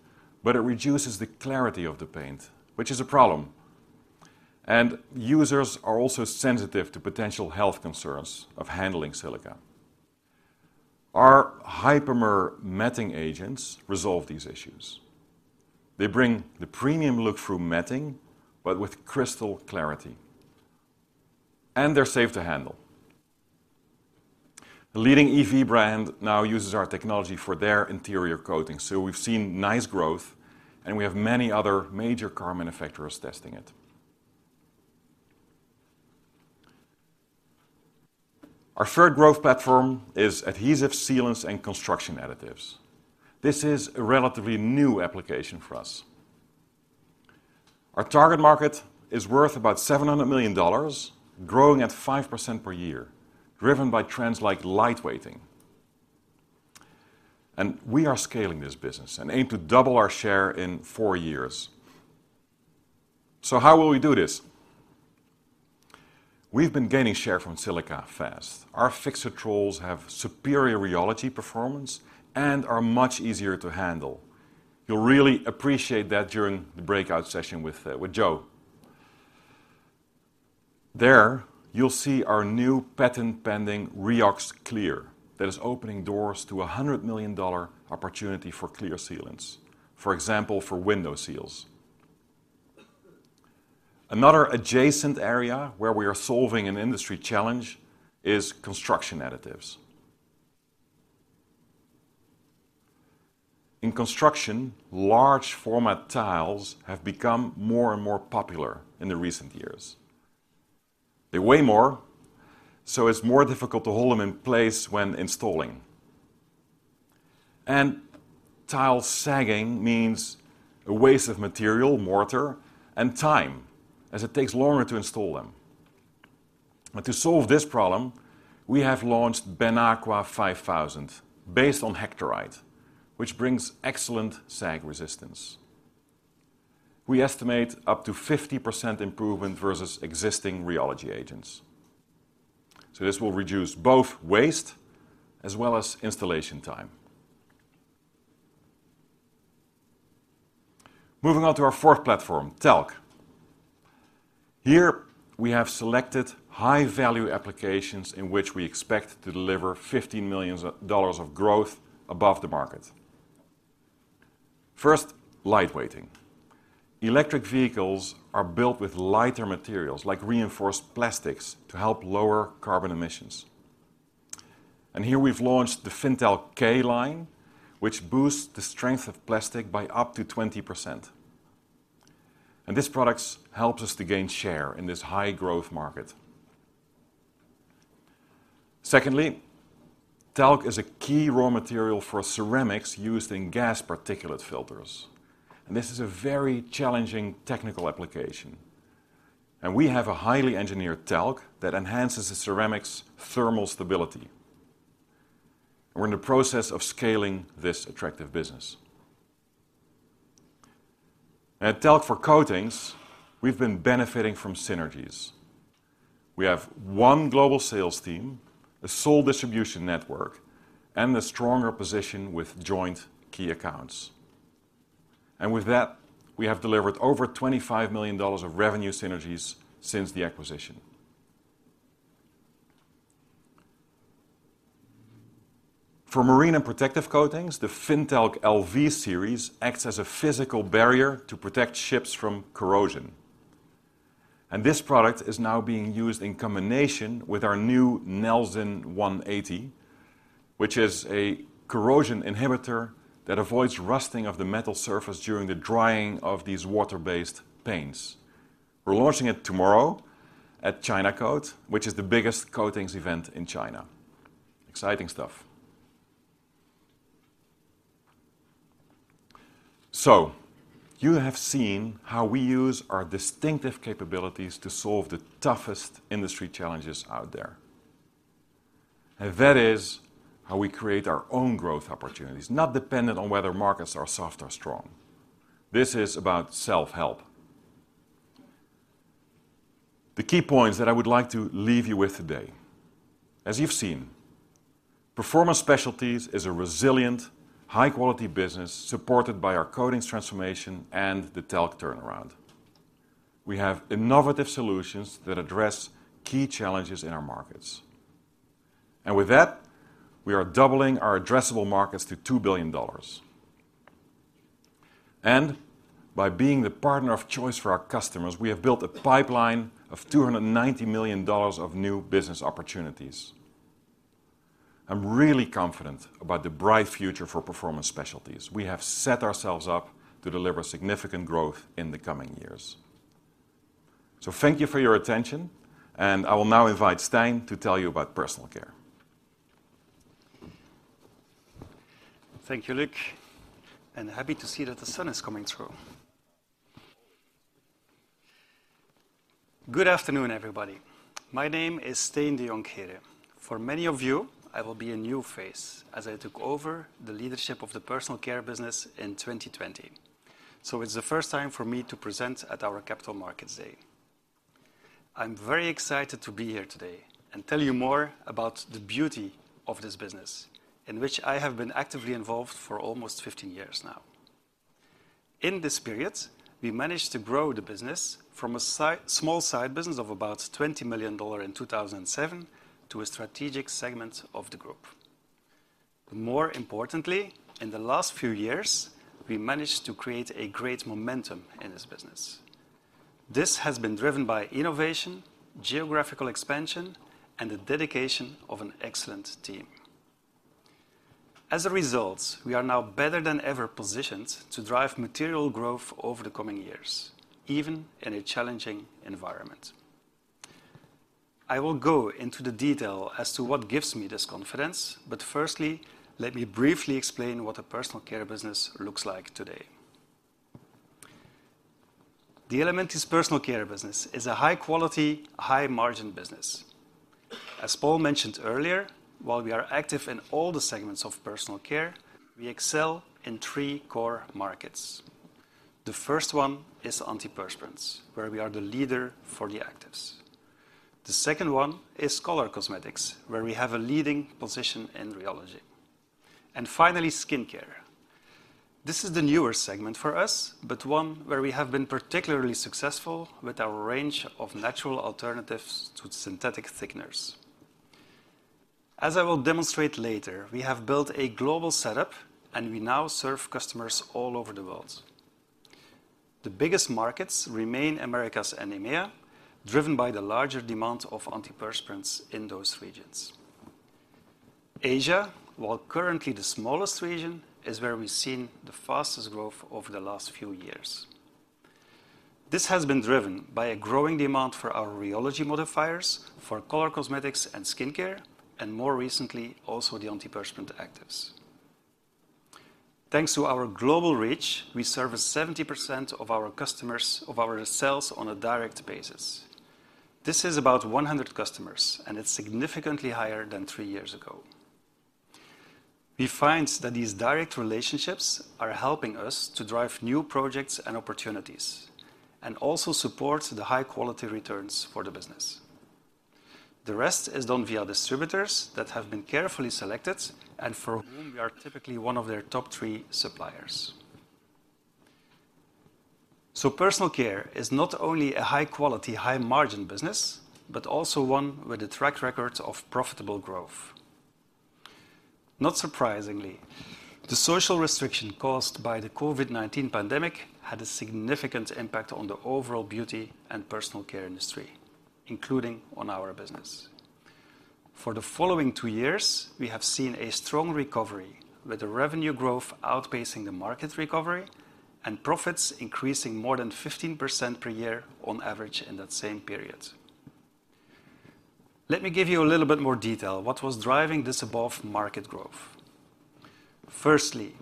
but it reduces the clarity of the paint, which is a problem. Users are also sensitive to potential health concerns of handling silica. Our HYPERMER matting agents resolve these issues. They bring the premium look through matting, but with crystal clarity, and they're safe to handle. A leading EV brand now uses our technology for their interior coating, so we've seen nice growth, and we have many other major car manufacturers testing it. Our third growth platform is Adhesive Sealants & Construction Additives. This is a relatively new application for us. Our target market is worth about $700 million, growing at 5% per year, driven by trends like lightweighting. And we are scaling this business and aim to double our share in four years. So how will we do this? We've been gaining share from silica fast. Our THIXATROL have superior rheology performance and are much easier to handle. You'll really appreciate that during the breakout session with Joe. There, you'll see our new patent-pending RHEOX Clear that is opening doors to a $100 million opportunity for clear sealants, for example, for window seals. Another adjacent area where we are solving an industry challenge is construction additives. In construction, large format tiles have become more and more popular in the recent years. They weigh more, so it's more difficult to hold them in place when installing. And tile sagging means a waste of material, mortar, and time, as it takes longer to install them. But to solve this problem, we have launched BENAQUA 5000, based on Hectorite, which brings excellent sag resistance. We estimate up to 50% improvement versus existing rheology agents. So this will reduce both waste as well as installation time. Moving on to our fourth platform, Talc. Here, we have selected high-value applications in which we expect to deliver $15 million of growth above the market. First, lightweighting. Electric vehicles are built with lighter materials, like reinforced plastics, to help lower carbon emissions. And here we've launched the FINNTALC K line, which boosts the strength of plastic by up to 20%, and this product helps us to gain share in this high-growth market. Secondly, Talc is a key raw material for ceramics used in gas particulate filters, and this is a very challenging technical application. And we have a highly engineered Talc that enhances the ceramic's thermal stability. We're in the process of scaling this attractive business. At Talc for coatings, we've been benefiting from synergies. We have one global sales team, a sole distribution network, and a stronger position with joint key accounts. And with that, we have delivered over $25 million of revenue synergies since the acquisition. For marine and protective coatings, the FINNTALC LV series acts as a physical barrier to protect ships from corrosion, and this product is now being used in combination with our new NALZIN 180, which is a corrosion inhibitor that avoids rusting of the metal surface during the drying of these water-based paints. We're launching it tomorrow at CHINACOAT, which is the biggest coatings event in China. Exciting stuff. So you have seen how we use our distinctive capabilities to solve the toughest industry challenges out there, and that is how we create our own growth opportunities, not dependent on whether markets are soft or strong. This is about self-help. The key points that I would like to leave you with today, as you've seen-... Performance Specialties is a resilient, high-quality business supported by our Coatings transformation and the Talc turnaround. We have innovative solutions that address key challenges in our markets. With that, we are doubling our addressable markets to $2 billion. By being the partner of choice for our customers, we have built a pipeline of $290 million of new business opportunities. I'm really confident about the bright future for Performance Specialties. We have set ourselves up to deliver significant growth in the coming years. Thank you for your attention, and I will now invite Stijn to tell you about Personal Care. Thank you, Luc, and happy to see that the sun is coming through. Good afternoon, everybody. My name is Stijn Dejonckheere. For many of you, I will be a new face, as I took over the leadership of the Personal Care business in 2020. So it's the first time for me to present at our Capital Markets Day. I'm very excited to be here today and tell you more about the beauty of this business, in which I have been actively involved for almost 15 years now. In this period, we managed to grow the business from a small side business of about $20 million in 2007 to a strategic segment of the group. More importantly, in the last few years, we managed to create a great momentum in this business. This has been driven by innovation, geographical expansion, and the dedication of an excellent team. As a result, we are now better than ever positioned to drive material growth over the coming years, even in a challenging environment. I will go into the detail as to what gives me this confidence, but firstly, let me briefly explain what a Personal Care business looks like today. The Elementis Personal Care business is a high-quality, high-margin business. As Paul mentioned earlier, while we are active in all the segments of Personal Care, we excel in three core markets. The first one is Antiperspirants, where we are the leader for the actives. The second one is Color Cosmetics, where we have a leading position in rheology. And finally, Skin Care. This is the newer segment for us, but one where we have been particularly successful with our range of natural alternatives to synthetic thickeners. As I will demonstrate later, we have built a global setup, and we now serve customers all over the world. The biggest markets remain Americas and EMEA, driven by the larger demand of Antiperspirants in those regions. Asia, while currently the smallest region, is where we've seen the fastest growth over the last few years. This has been driven by a growing demand for our rheology modifiers for Color Cosmetics and Skin Care, and more recently, also the antiperspirant actives. Thanks to our global reach, we service 70% of our customers, of our sales on a direct basis. This is about 100 customers, and it's significantly higher than three years ago. We find that these direct relationships are helping us to drive new projects and opportunities, and also supports the high-quality returns for the business. The rest is done via distributors that have been carefully selected and for whom we are typically one of their top three suppliers. Personal Care is not only a high-quality, high-margin business, but also one with a track record of profitable growth. Not surprisingly, the social restriction caused by the COVID-19 pandemic had a significant impact on the overall beauty and Personal Care industry, including on our business. For the following two years, we have seen a strong recovery, with the revenue growth outpacing the market recovery and profits increasing more than 15% per year on average in that same period. Let me give you a little bit more detail what was driving this above-market growth. Firstly,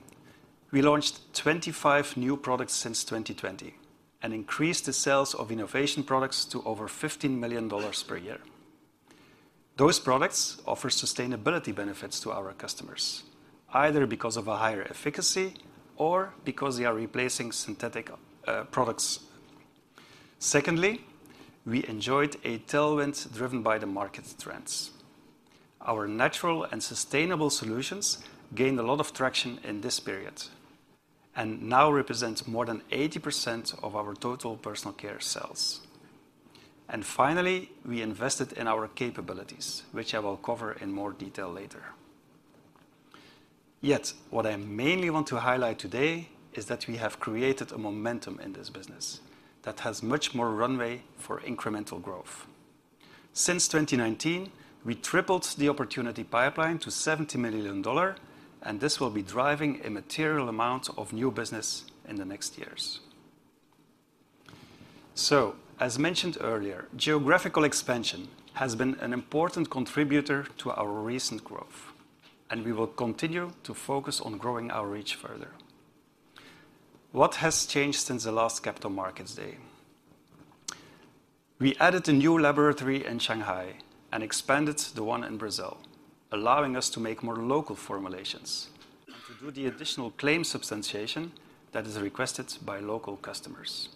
we launched 25 new products since 2020 and increased the sales of innovation products to over $15 million per year. Those products offer sustainability benefits to our customers, either because of a higher efficacy or because they are replacing synthetic products. Secondly, we enjoyed a tailwind driven by the market trends. Our natural and sustainable solutions gained a lot of traction in this period and now represent more than 80% of our total Personal Care sales. And finally, we invested in our capabilities, which I will cover in more detail later. Yet, what I mainly want to highlight today is that we have created a momentum in this business that has much more runway for incremental growth. Since 2019, we tripled the opportunity pipeline to $70 million, and this will be driving a material amount of new business in the next years. So, as mentioned earlier, geographical expansion has been an important contributor to our recent growth, and we will continue to focus on growing our reach further. What has changed since the last Capital Markets Day? We added a new laboratory in Shanghai and expanded the one in Brazil, allowing us to make more local formulations and to do the additional claim substantiation that is requested by local customers.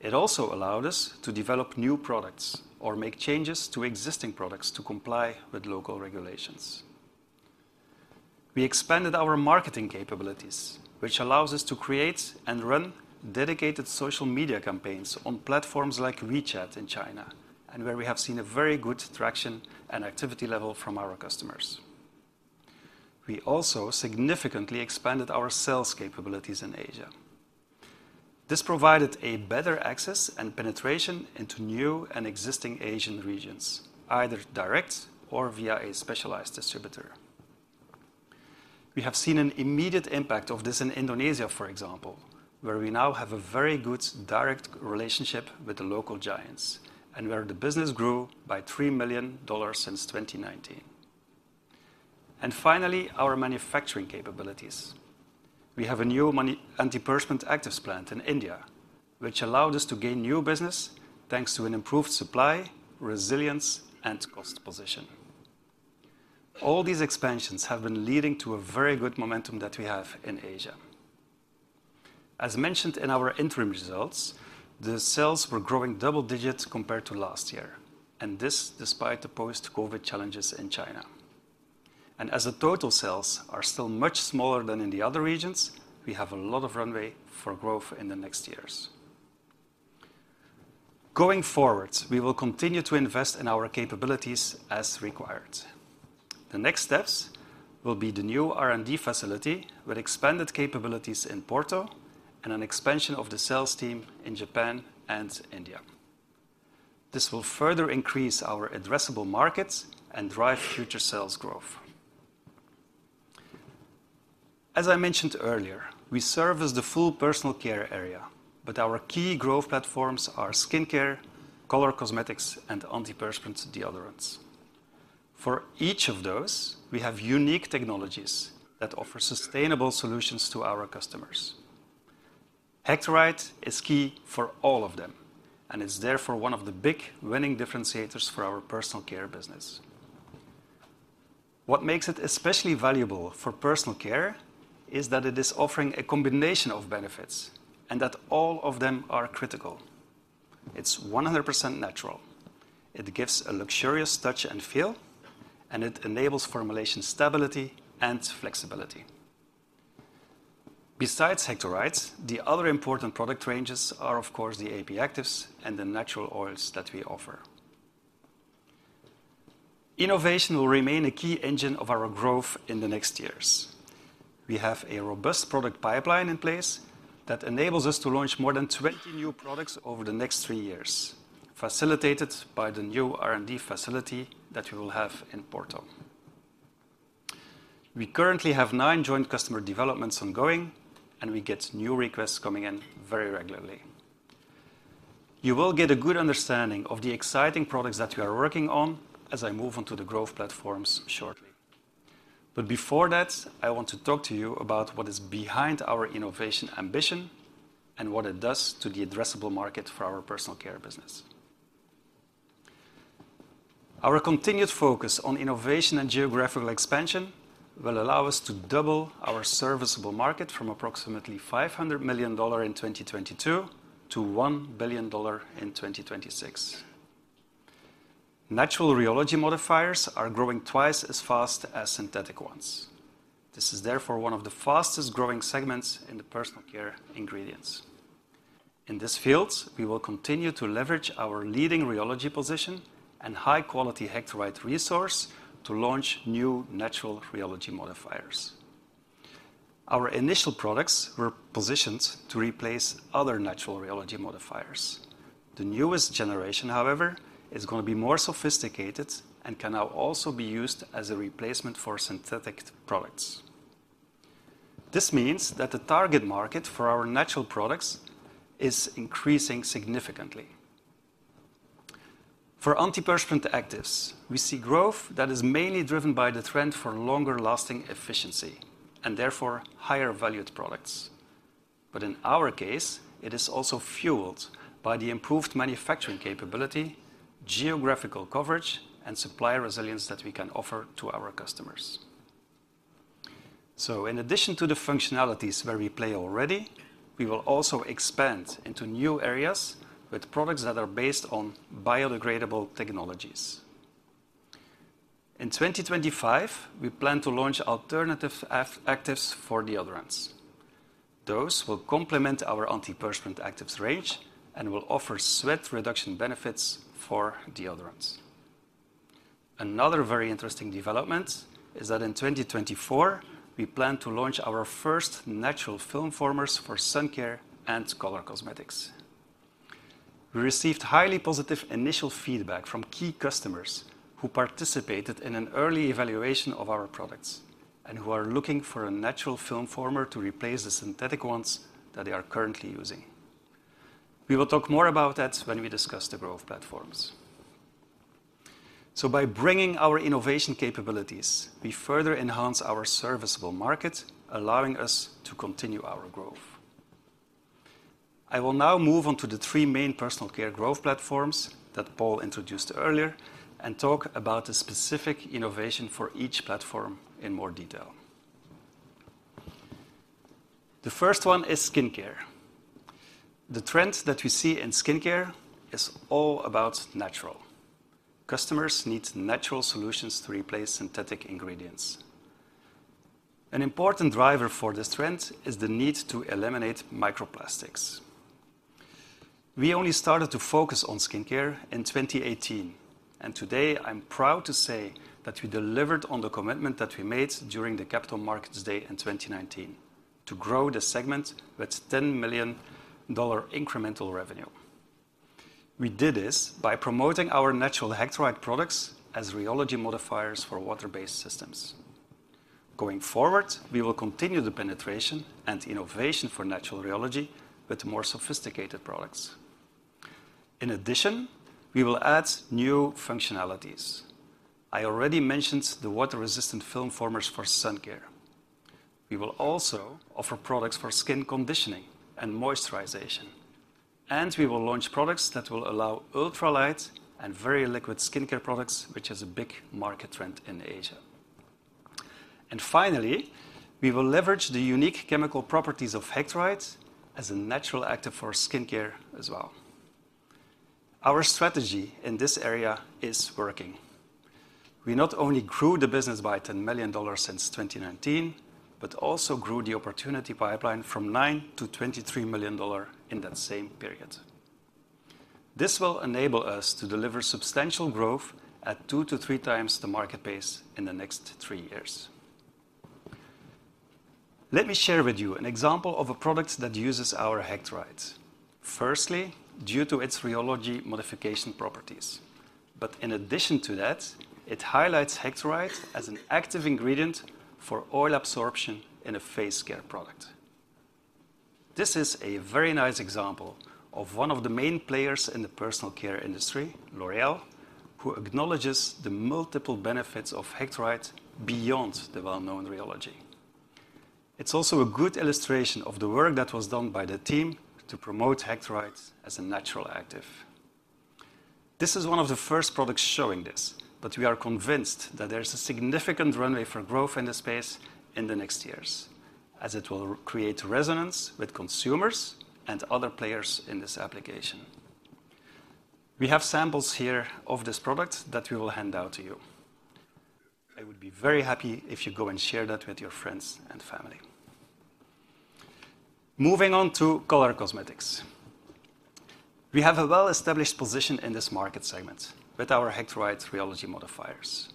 It also allowed us to develop new products or make changes to existing products to comply with local regulations. We expanded our marketing capabilities, which allows us to create and run dedicated social media campaigns on platforms like WeChat in China, and where we have seen a very good traction and activity level from our customers. We also significantly expanded our sales capabilities in Asia. This provided a better access and penetration into new and existing Asian regions, either direct or via a specialized distributor. We have seen an immediate impact of this in Indonesia, for example, where we now have a very good direct relationship with the local giants, and where the business grew by $3 million since 2019. Finally, our manufacturing capabilities. We have a new manufacturing antiperspirant actives plant in India, which allowed us to gain new business, thanks to an improved supply, resilience, and cost position. All these expansions have been leading to a very good momentum that we have in Asia. As mentioned in our interim results, the sales were growing double digits compared to last year, and this despite the post-COVID challenges in China. As the total sales are still much smaller than in the other regions, we have a lot of runway for growth in the next years. Going forward, we will continue to invest in our capabilities as required. The next steps will be the new R&D facility, with expanded capabilities in Porto and an expansion of the sales team in Japan and India. This will further increase our addressable markets and drive future sales growth. As I mentioned earlier, we serve as the full Personal Care area, but our key growth platforms are Skin Care, Color Cosmetics, and Antiperspirant Deodorants. For each of those, we have unique technologies that offer sustainable solutions to our customers. Hectorite is key for all of them, and it's therefore one of the big winning differentiators for our Personal Care business. What makes it especially valuable for Personal Care is that it is offering a combination of benefits, and that all of them are critical. It's 100% natural, it gives a luxurious touch and feel, and it enables formulation stability and flexibility. Besides Hectorite, the other important product ranges are, of course, the AP Actives and the natural oils that we offer. Innovation will remain a key engine of our growth in the next years. We have a robust product pipeline in place that enables us to launch more than 20 new products over the next three years, facilitated by the new R&D facility that we will have in Porto. We currently have nine joint customer developments ongoing, and we get new requests coming in very regularly. You will get a good understanding of the exciting products that we are working on as I move on to the growth platforms shortly. But before that, I want to talk to you about what is behind our innovation ambition and what it does to the addressable market for our Personal Care business. Our continued focus on innovation and geographical expansion will allow us to double our serviceable market from approximately $500 million in 2022 to $1 billion in 2026. Natural rheology modifiers are growing twice as fast as synthetic ones. This is therefore one of the fastest growing segments in the Personal Care ingredients. In this field, we will continue to leverage our leading rheology position and high-quality Hectorite resource to launch new natural rheology modifiers. Our initial products were positioned to replace other natural rheology modifiers. The newest generation, however, is going to be more sophisticated and can now also be used as a replacement for synthetic products. This means that the target market for our natural products is increasing significantly. For antiperspirant actives, we see growth that is mainly driven by the trend for longer-lasting efficiency, and therefore higher valued products. But in our case, it is also fueled by the improved manufacturing capability, geographical coverage, and supplier resilience that we can offer to our customers. So in addition to the functionalities where we play already, we will also expand into new areas with products that are based on biodegradable technologies. In 2025, we plan to launch alternative AP actives for deodorants. Those will complement our antiperspirant actives range and will offer sweat reduction benefits for deodorants. Another very interesting development is that in 2024, we plan to launch our first natural film formers for sun care and Color Cosmetics. We received highly positive initial feedback from key customers who participated in an early evaluation of our products and who are looking for a natural film former to replace the synthetic ones that they are currently using. We will talk more about that when we discuss the growth platforms. So by bringing our innovation capabilities, we further enhance our serviceable market, allowing us to continue our growth. I will now move on to the three main Personal Care growth platforms that Paul introduced earlier and talk about the specific innovation for each platform in more detail... The first one is Skin Care. The trend that we see in Skin Care is all about natural. Customers need natural solutions to replace synthetic ingredients. An important driver for this trend is the need to eliminate microplastics. We only started to focus on Skin Care in 2018, and today I'm proud to say that we delivered on the commitment that we made during the Capital Markets Day in 2019, to grow the segment with $10 million incremental revenue. We did this by promoting our natural Hectorite products as rheology modifiers for water-based systems. Going forward, we will continue the penetration and innovation for natural rheology with more sophisticated products. In addition, we will add new functionalities. I already mentioned the water-resistant film formers for sun care. We will also offer products for skin conditioning and moisturization, and we will launch products that will allow ultralight and very liquid Skin Care products, which is a big market trend in Asia. And finally, we will leverage the unique chemical properties of Hectorite as a natural active for Skin Care as well. Our strategy in this area is working. We not only grew the business by $10 million since 2019, but also grew the opportunity pipeline from $9 million-$23 million in that same period. This will enable us to deliver substantial growth at 2x-3x the market pace in the next three years. Let me share with you an example of a product that uses our Hectorite. Firstly, due to its rheology modification properties, but in addition to that, it highlights Hectorite as an active ingredient for oil absorption in a face care product. This is a very nice example of one of the main players in the Personal Care industry, L'Oréal, who acknowledges the multiple benefits of Hectorite beyond the well-known rheology. It's also a good illustration of the work that was done by the team to promote Hectorite as a natural active. This is one of the first products showing this, but we are convinced that there is a significant runway for growth in this space in the next years, as it will create resonance with consumers and other players in this application. We have samples here of this product that we will hand out to you. I would be very happy if you go and share that with your friends and family. Moving on to Color Cosmetics. We have a well-established position in this market segment with our Hectorite rheology modifiers.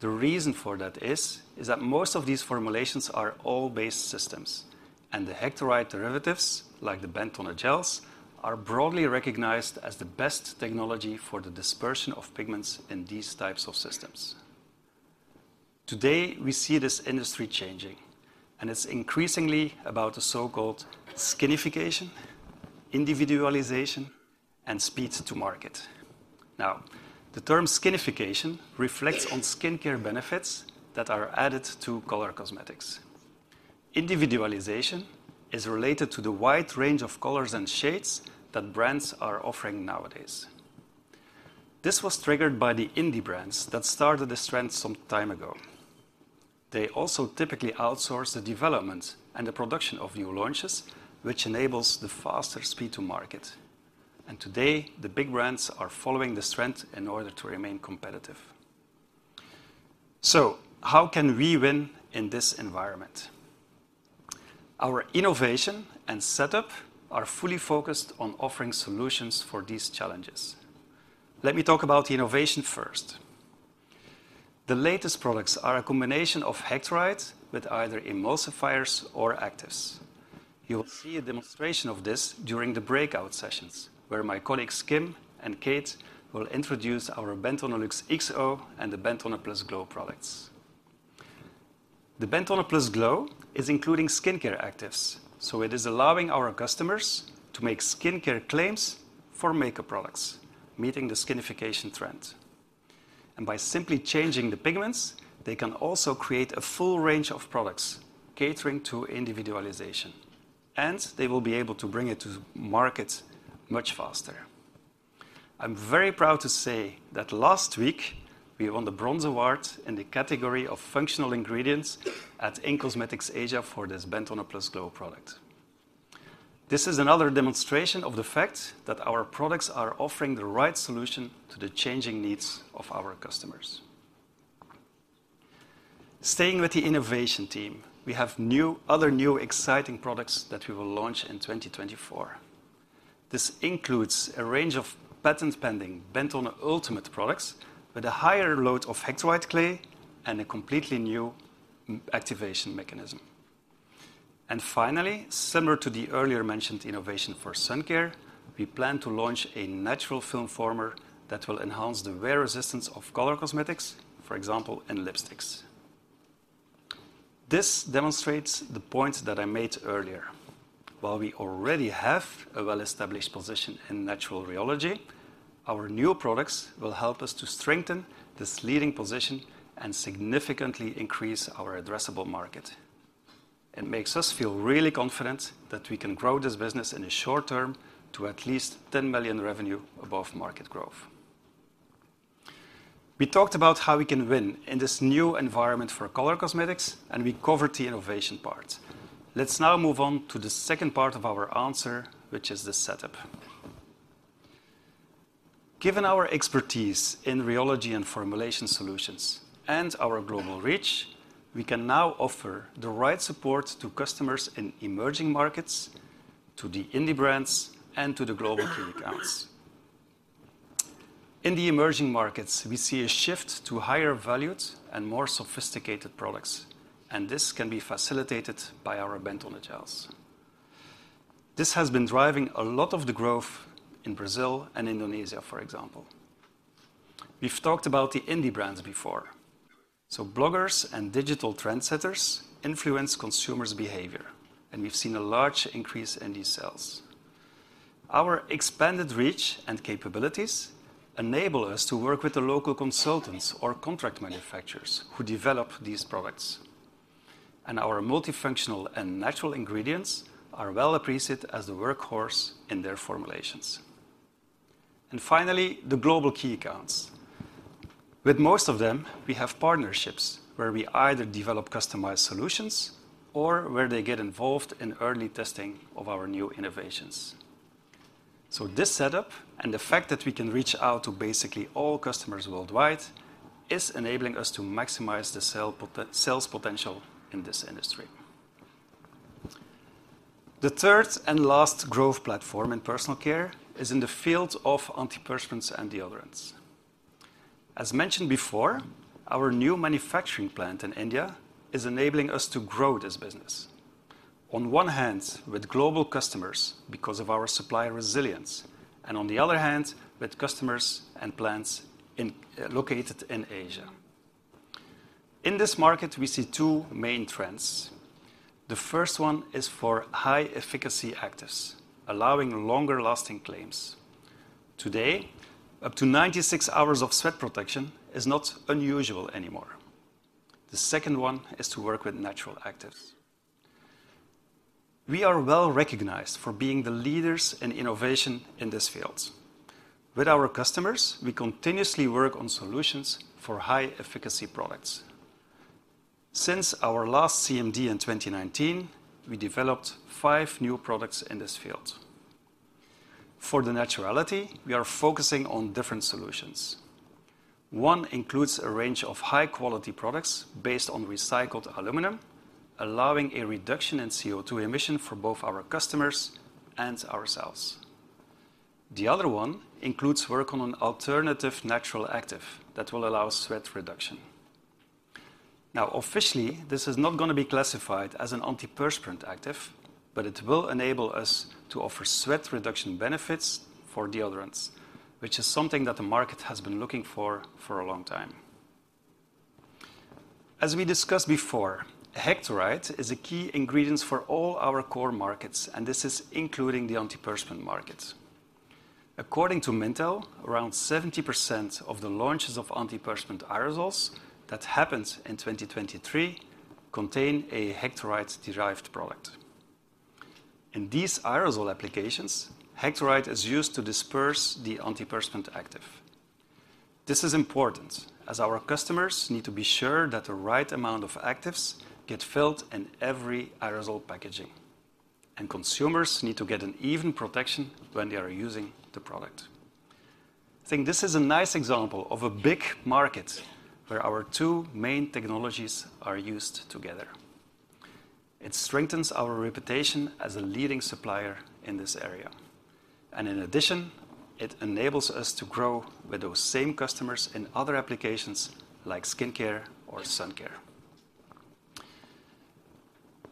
The reason for that is that most of these formulations are oil-based systems, and the Hectorite derivatives, like the bentonite gels, are broadly recognized as the best technology for the dispersion of pigments in these types of systems. Today, we see this industry changing, and it's increasingly about the so-called skinification, individualization, and speed to market. Now, the term skinification reflects on Skin Care benefits that are added to Color Cosmetics. Individualization is related to the wide range of colors and shades that brands are offering nowadays. This was triggered by the indie brands that started this trend some time ago. They also typically outsource the development and the production of new launches, which enables the faster speed to market. Today, the big brands are following this trend in order to remain competitive. How can we win in this environment? Our innovation and setup are fully focused on offering solutions for these challenges. Let me talk about innovation first. The latest products are a combination of Hectorite with either emulsifiers or actives. You will see a demonstration of this during the breakout sessions, where my colleagues Kim and Kate will introduce our BENTONE LUXE XO and the BENTONE PLUS GLOW products. The BENTONE PLUS GLOW is including Skin Care actives, so it is allowing our customers to make Skin Care claims for makeup products, meeting the skinification trend. By simply changing the pigments, they can also create a full range of products catering to individualization, and they will be able to bring it to market much faster. I'm very proud to say that last week, we won the Bronze Award in the category of functional ingredients at in-cosmetics Asia for this BENTONE PLUS GLOW product. This is another demonstration of the fact that our products are offering the right solution to the changing needs of our customers. Staying with the innovation team, we have other new exciting products that we will launch in 2024. This includes a range of patent-pending BENTONE ULTIMATE products with a higher load of Hectorite clay and a completely new activation mechanism. And finally, similar to the earlier mentioned innovation for sun care, we plan to launch a natural film former that will enhance the wear resistance of Color Cosmetics, for example, in lipsticks. This demonstrates the point that I made earlier. While we already have a well-established position in natural rheology, our new products will help us to strengthen this leading position and significantly increase our addressable market. It makes us feel really confident that we can grow this business in the short term to at least 10 million revenue above market growth.... We talked about how we can win in this new environment for Color Cosmetics, and we covered the innovation part. Let's now move on to the second part of our answer, which is the setup. Given our expertise in rheology and formulation solutions and our global reach, we can now offer the right support to customers in emerging markets, to the indie brands, and to the global key accounts. In the emerging markets, we see a shift to higher valued and more sophisticated products, and this can be facilitated by our Bentone gels. This has been driving a lot of the growth in Brazil and Indonesia, for example. We've talked about the indie brands before. So bloggers and digital trendsetters influence consumers' behavior, and we've seen a large increase in these sales. Our expanded reach and capabilities enable us to work with the local consultants or contract manufacturers who develop these products, and our multifunctional and natural ingredients are well appreciated as the workhorse in their formulations. And finally, the global key accounts. With most of them, we have partnerships where we either develop customized solutions or where they get involved in early testing of our new innovations. So this setup, and the fact that we can reach out to basically all customers worldwide, is enabling us to maximize the sales potential in this industry. The third and last growth platform in Personal Care is in the field of Antiperspirants & Deodorants. As mentioned before, our new manufacturing plant in India is enabling us to grow this business, on one hand, with global customers because of our supplier resilience, and on the other hand, with customers and plants in, located in Asia. In this market, we see two main trends. The first one is for high-efficacy actives, allowing longer-lasting claims. Today, up to 96 hours of sweat protection is not unusual anymore. The second one is to work with natural actives. We are well recognized for being the leaders in innovation in this field. With our customers, we continuously work on solutions for high-efficacy products. Since our last CMD in 2019, we developed five new products in this field. For the naturality, we are focusing on different solutions. One includes a range of high-quality products based on recycled aluminum, allowing a reduction in CO2 emission for both our customers and ourselves. The other one includes work on an alternative natural active that will allow sweat reduction. Now, officially, this is not going to be classified as an antiperspirant active, but it will enable us to offer sweat reduction benefits for deodorants, which is something that the market has been looking for for a long time. As we discussed before, Hectorite is a key ingredient for all our core markets, and this is including the antiperspirant market. According to Mintel, around 70% of the launches of antiperspirant aerosols that happened in 2023 contain a Hectorite-derived product. In these aerosol applications, Hectorite is used to disperse the antiperspirant active. This is important, as our customers need to be sure that the right amount of actives get filled in every aerosol packaging, and consumers need to get an even protection when they are using the product. I think this is a nice example of a big market where our two main technologies are used together. It strengthens our reputation as a leading supplier in this area, and in addition, it enables us to grow with those same customers in other applications like Skin Care or sun care.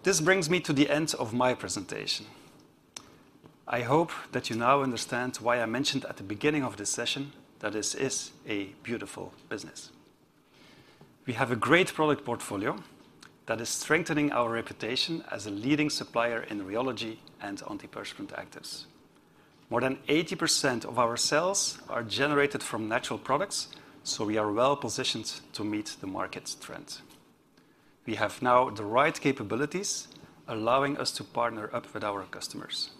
This brings me to the end of my presentation. I hope that you now understand why I mentioned at the beginning of this session that this is a beautiful business. We have a great product portfolio that is strengthening our reputation as a leading supplier in rheology and antiperspirant actives. More than 80% of our sales are generated from natural products, so we are well positioned to meet the market trend. We have now the right capabilities, allowing us to partner up with our customers.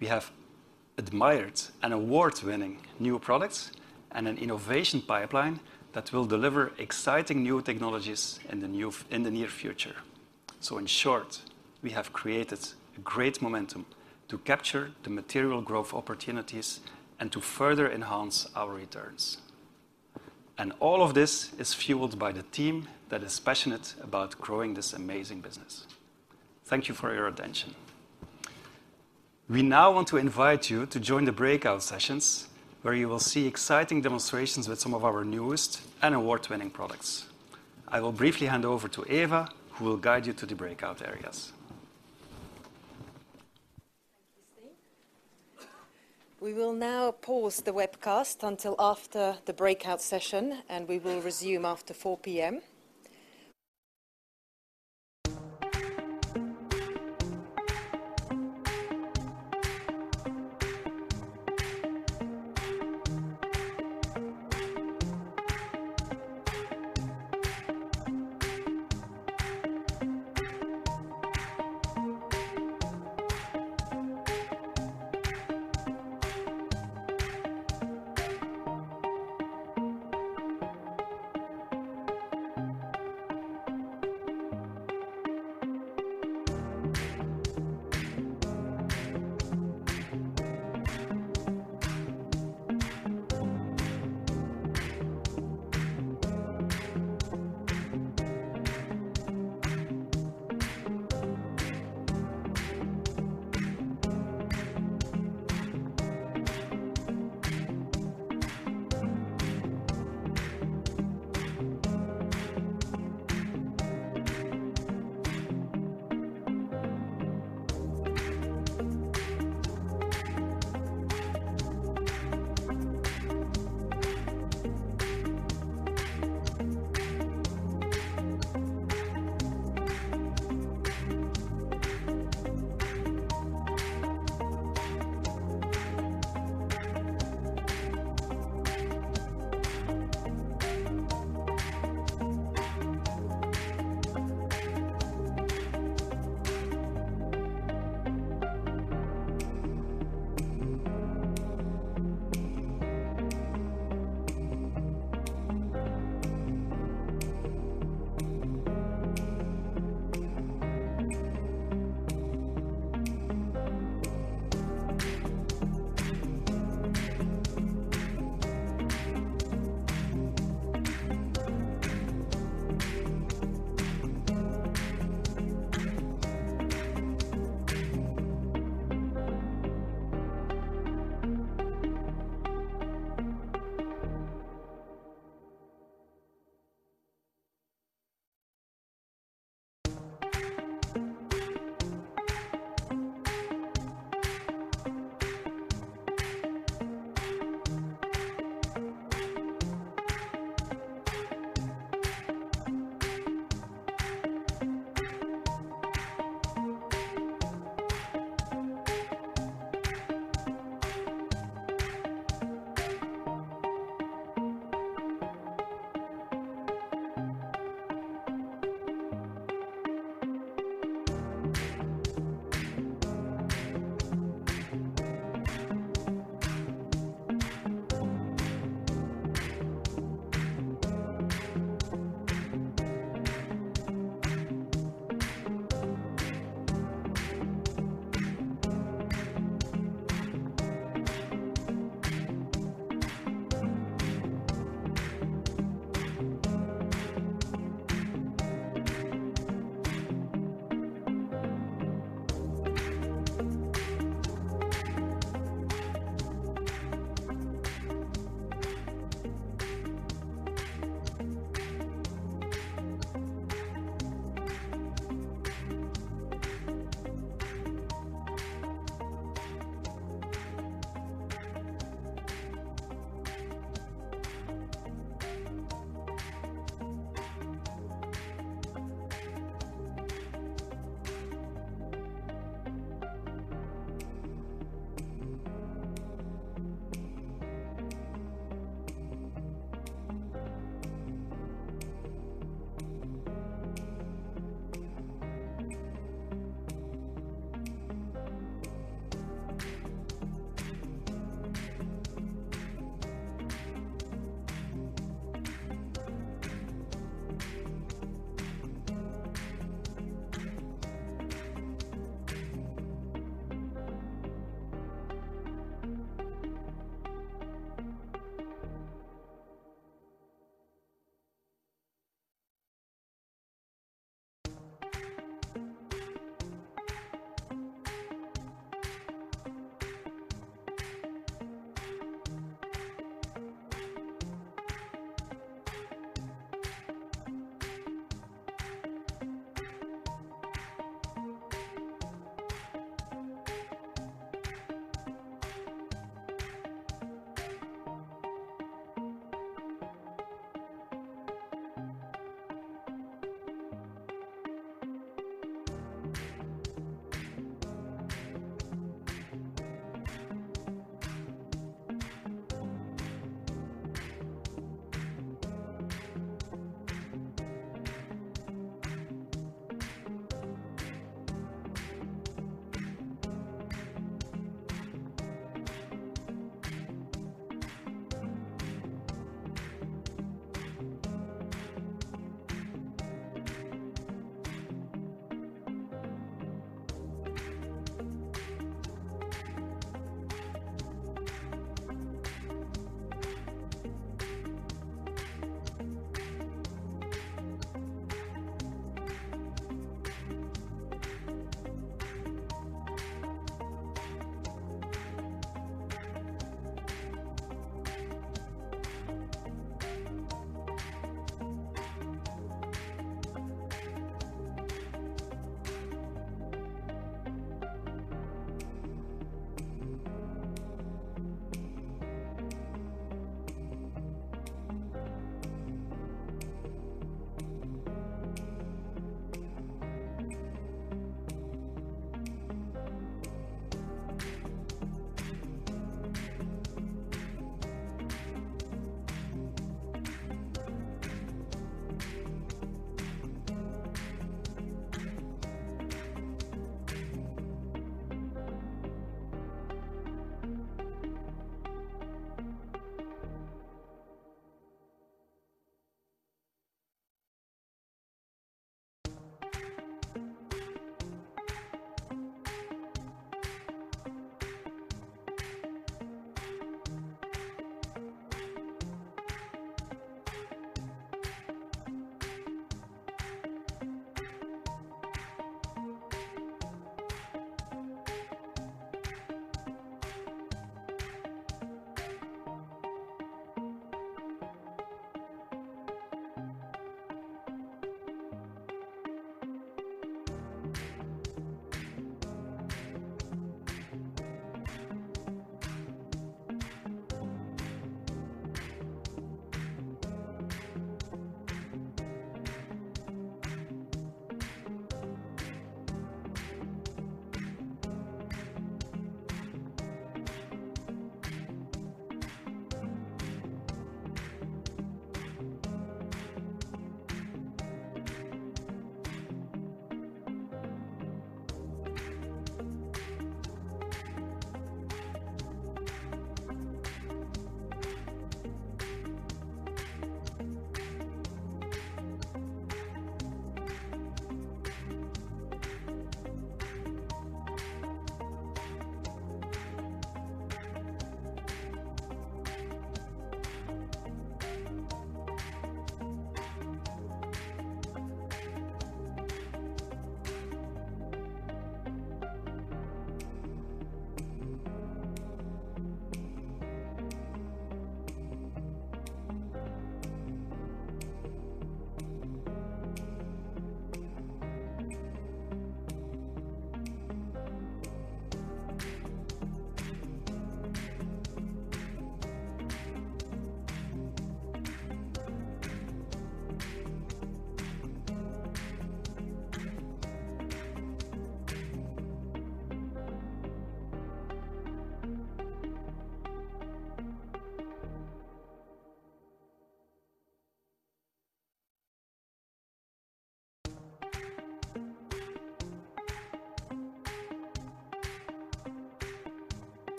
We have admired and award-winning new products and an innovation pipeline that will deliver exciting new technologies in the near future. So in short, we have created great momentum to capture the material growth opportunities and to further enhance our returns. And all of this is fueled by the team that is passionate about growing this amazing business. Thank you for your attention. We now want to invite you to join the breakout sessions, where you will see exciting demonstrations with some of our newest and award-winning products. I will briefly hand over to Eva, who will guide you to the breakout areas. Thanks, Stijn. We will now pause the webcast until after the breakout session, and we will resume after 4:00 P.M.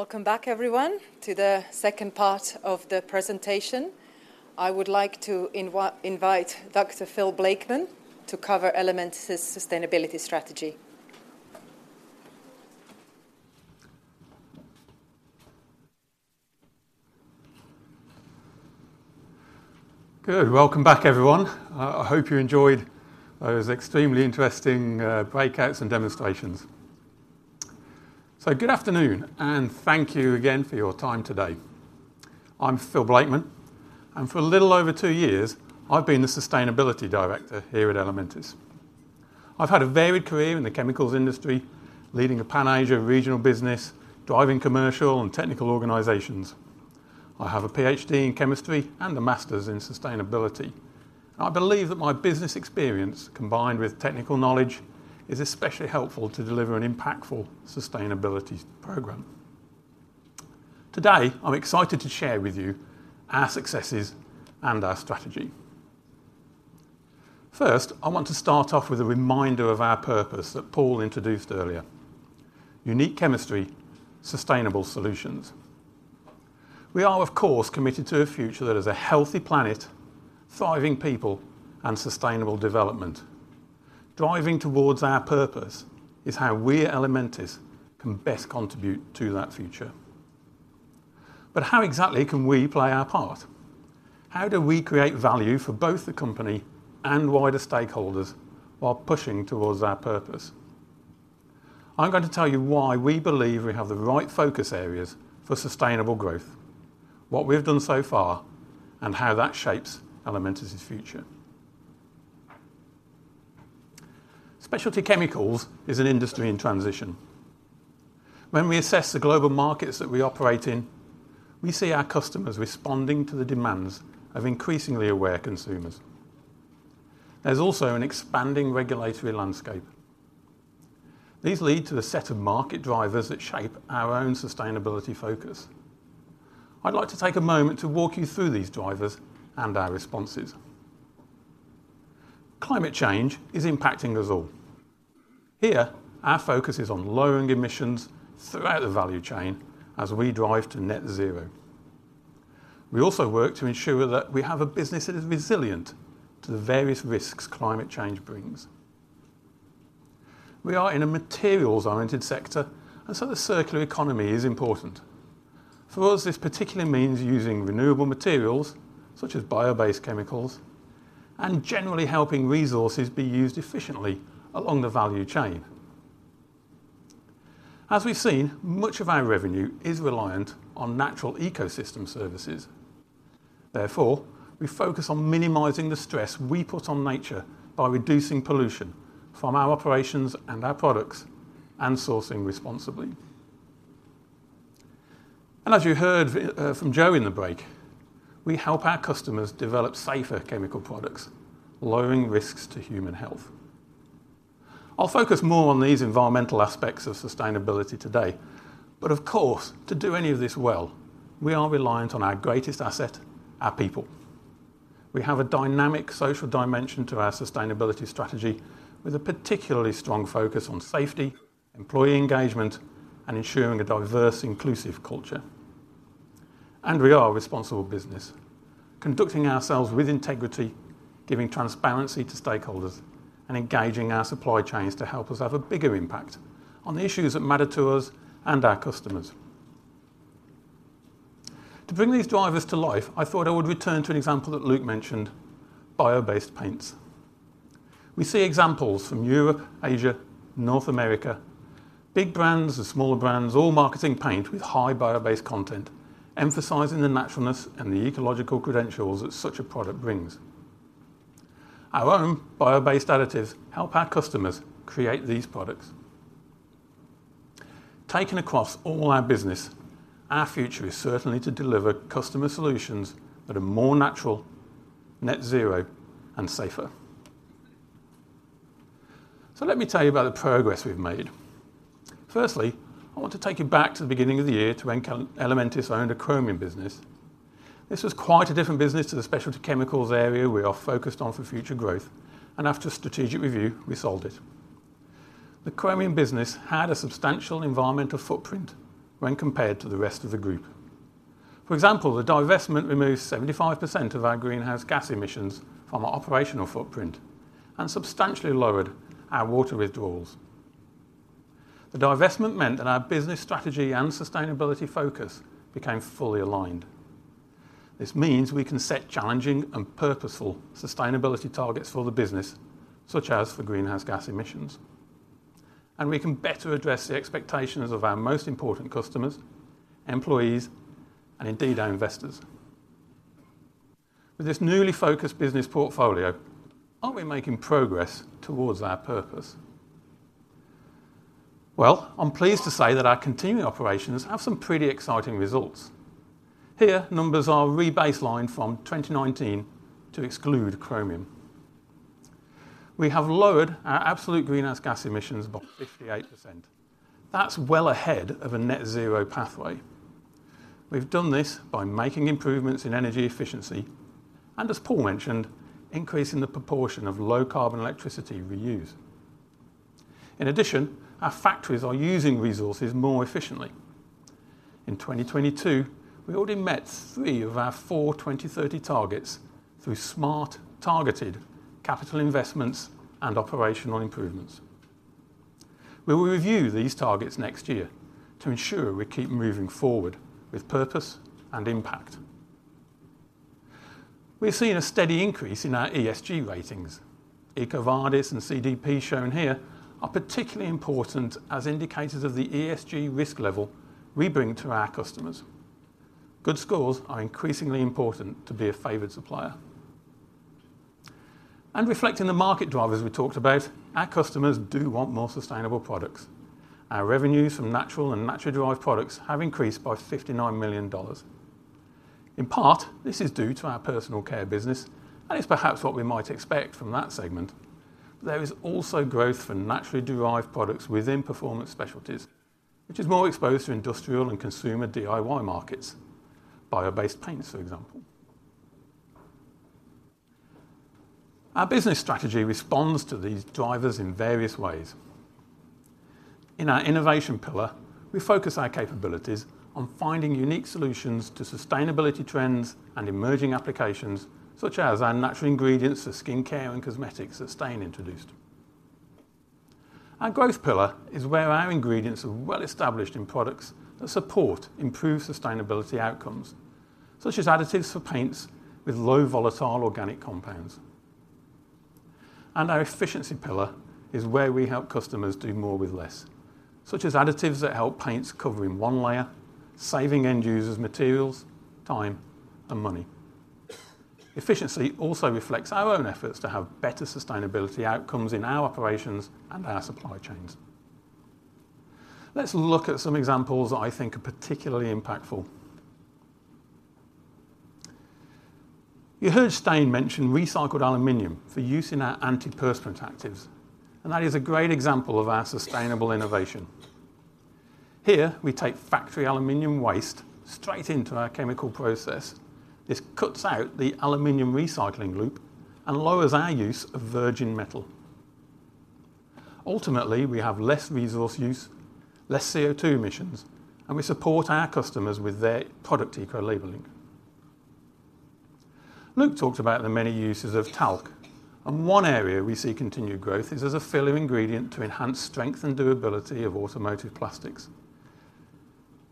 Welcome back, everyone, to the second part of the presentation. I would like to invite Dr. Phil Blakeman to cover Elementis' sustainability strategy. Good. Welcome back, everyone. I hope you enjoyed those extremely interesting breakouts and demonstrations. So good afternoon, and thank you again for your time today. I'm Phil Blakeman, and for a little over two years, I've been the sustainability director here at Elementis. I've had a varied career in the chemicals industry, leading a Pan Asia regional business, driving commercial and technical organizations. I have a PhD in chemistry and a master's in sustainability. I believe that my business experience, combined with technical knowledge, is especially helpful to deliver an impactful sustainability program. Today, I'm excited to share with you our successes and our strategy. First, I want to start off with a reminder of our purpose that Paul introduced earlier: unique chemistry, sustainable solutions. We are, of course, committed to a future that is a healthy planet, thriving people, and sustainable development. Driving towards our purpose is how we at Elementis can best contribute to that future. But how exactly can we play our part? How do we create value for both the company and wider stakeholders while pushing towards our purpose? I'm going to tell you why we believe we have the right focus areas for sustainable growth, what we've done so far, and how that shapes Elementis' future. Specialty chemicals is an industry in transition. When we assess the global markets that we operate in, we see our customers responding to the demands of increasingly aware consumers. There's also an expanding regulatory landscape. These lead to the set of market drivers that shape our own sustainability focus. I'd like to take a moment to walk you through these drivers and our responses. Climate change is impacting us all. Here, our focus is on lowering emissions throughout the value chain as we drive to net zero. We also work to ensure that we have a business that is resilient to the various risks climate change brings. We are in a materials-oriented sector, and so the circular economy is important. For us, this particularly means using renewable materials, such as bio-based chemicals, and generally helping resources be used efficiently along the value chain. As we've seen, much of our revenue is reliant on natural ecosystem services. Therefore, we focus on minimizing the stress we put on nature by reducing pollution from our operations and our products and sourcing responsibly. And as you heard from Joe in the break, we help our customers develop safer chemical products, lowering risks to human health. I'll focus more on these environmental aspects of sustainability today, but of course, to do any of this well, we are reliant on our greatest asset, our people. We have a dynamic social dimension to our sustainability strategy, with a particularly strong focus on safety, employee engagement, and ensuring a diverse, inclusive culture. We are a responsible business, conducting ourselves with integrity, giving transparency to stakeholders, and engaging our supply chains to help us have a bigger impact on the issues that matter to us and our customers. To bring these drivers to life, I thought I would return to an example that Luc mentioned: bio-based paints. We see examples from Europe, Asia, North America, big brands and smaller brands, all marketing paint with high bio-based content, emphasizing the naturalness and the ecological credentials that such a product brings. Our own bio-based additives help our customers create these products. Taken across all our business, our future is certainly to deliver customer solutions that are more natural, net zero, and safer. So let me tell you about the progress we've made. Firstly, I want to take you back to the beginning of the year, to when Elementis owned a Chromium business. This was quite a different business to the specialty chemicals area we are focused on for future growth, and after strategic review, we sold it. The Chromium business had a substantial environmental footprint when compared to the rest of the group. For example, the divestment removed 75% of our greenhouse gas emissions from our operational footprint and substantially lowered our water withdrawals. The divestment meant that our business strategy and sustainability focus became fully aligned. This means we can set challenging and purposeful sustainability targets for the business, such as for greenhouse gas emissions, and we can better address the expectations of our most important customers, employees, and indeed, our investors. With this newly focused business portfolio, are we making progress towards our purpose? Well, I'm pleased to say that our continuing operations have some pretty exciting results. Here, numbers are re-baselined from 2019 to exclude Chromium. We have lowered our absolute greenhouse gas emissions by 58%. That's well ahead of a Net Zero pathway. We've done this by making improvements in energy efficiency and, as Paul mentioned, increasing the proportion of low-carbon electricity we use. In addition, our factories are using resources more efficiently. In 2022, we already met three of our four 2030 targets through smart, targeted capital investments and operational improvements. We will review these targets next year to ensure we keep moving forward with purpose and impact. We've seen a steady increase in our ESG ratings. EcoVadis and CDP, shown here, are particularly important as indicators of the ESG risk level we bring to our customers. Good scores are increasingly important to be a favored supplier. Reflecting the market drivers we talked about, our customers do want more sustainable products. Our revenues from natural and naturally derived products have increased by $59 million. In part, this is due to our Personal Care business, and it's perhaps what we might expect from that segment. There is also growth for naturally derived products within Performance Specialties, which is more exposed to industrial and consumer DIY markets, bio-based paints, for example. Our business strategy responds to these drivers in various ways.... In our innovation pillar, we focus our capabilities on finding unique solutions to sustainability trends and emerging applications, such as our natural ingredients for Skin Care and cosmetics that Stijn introduced. Our growth pillar is where our ingredients are well established in products that support improved sustainability outcomes, such as additives for paints with low volatile organic compounds. Our efficiency pillar is where we help customers do more with less, such as additives that help paints cover in one layer, saving end users materials, time, and money. Efficiency also reflects our own efforts to have better sustainability outcomes in our operations and our supply chains. Let's look at some examples that I think are particularly impactful. You heard Stijn mention recycled aluminum for use in our antiperspirant actives, and that is a great example of our sustainable innovation. Here, we take factory aluminum waste straight into our chemical process. This cuts out the aluminum recycling loop and lowers our use of virgin metal. Ultimately, we have less resource use, less CO₂ emissions, and we support our customers with their product eco-labeling. Luc talked about the many uses of Talc, and one area we see continued growth is as a filler ingredient to enhance strength and durability of automotive plastics.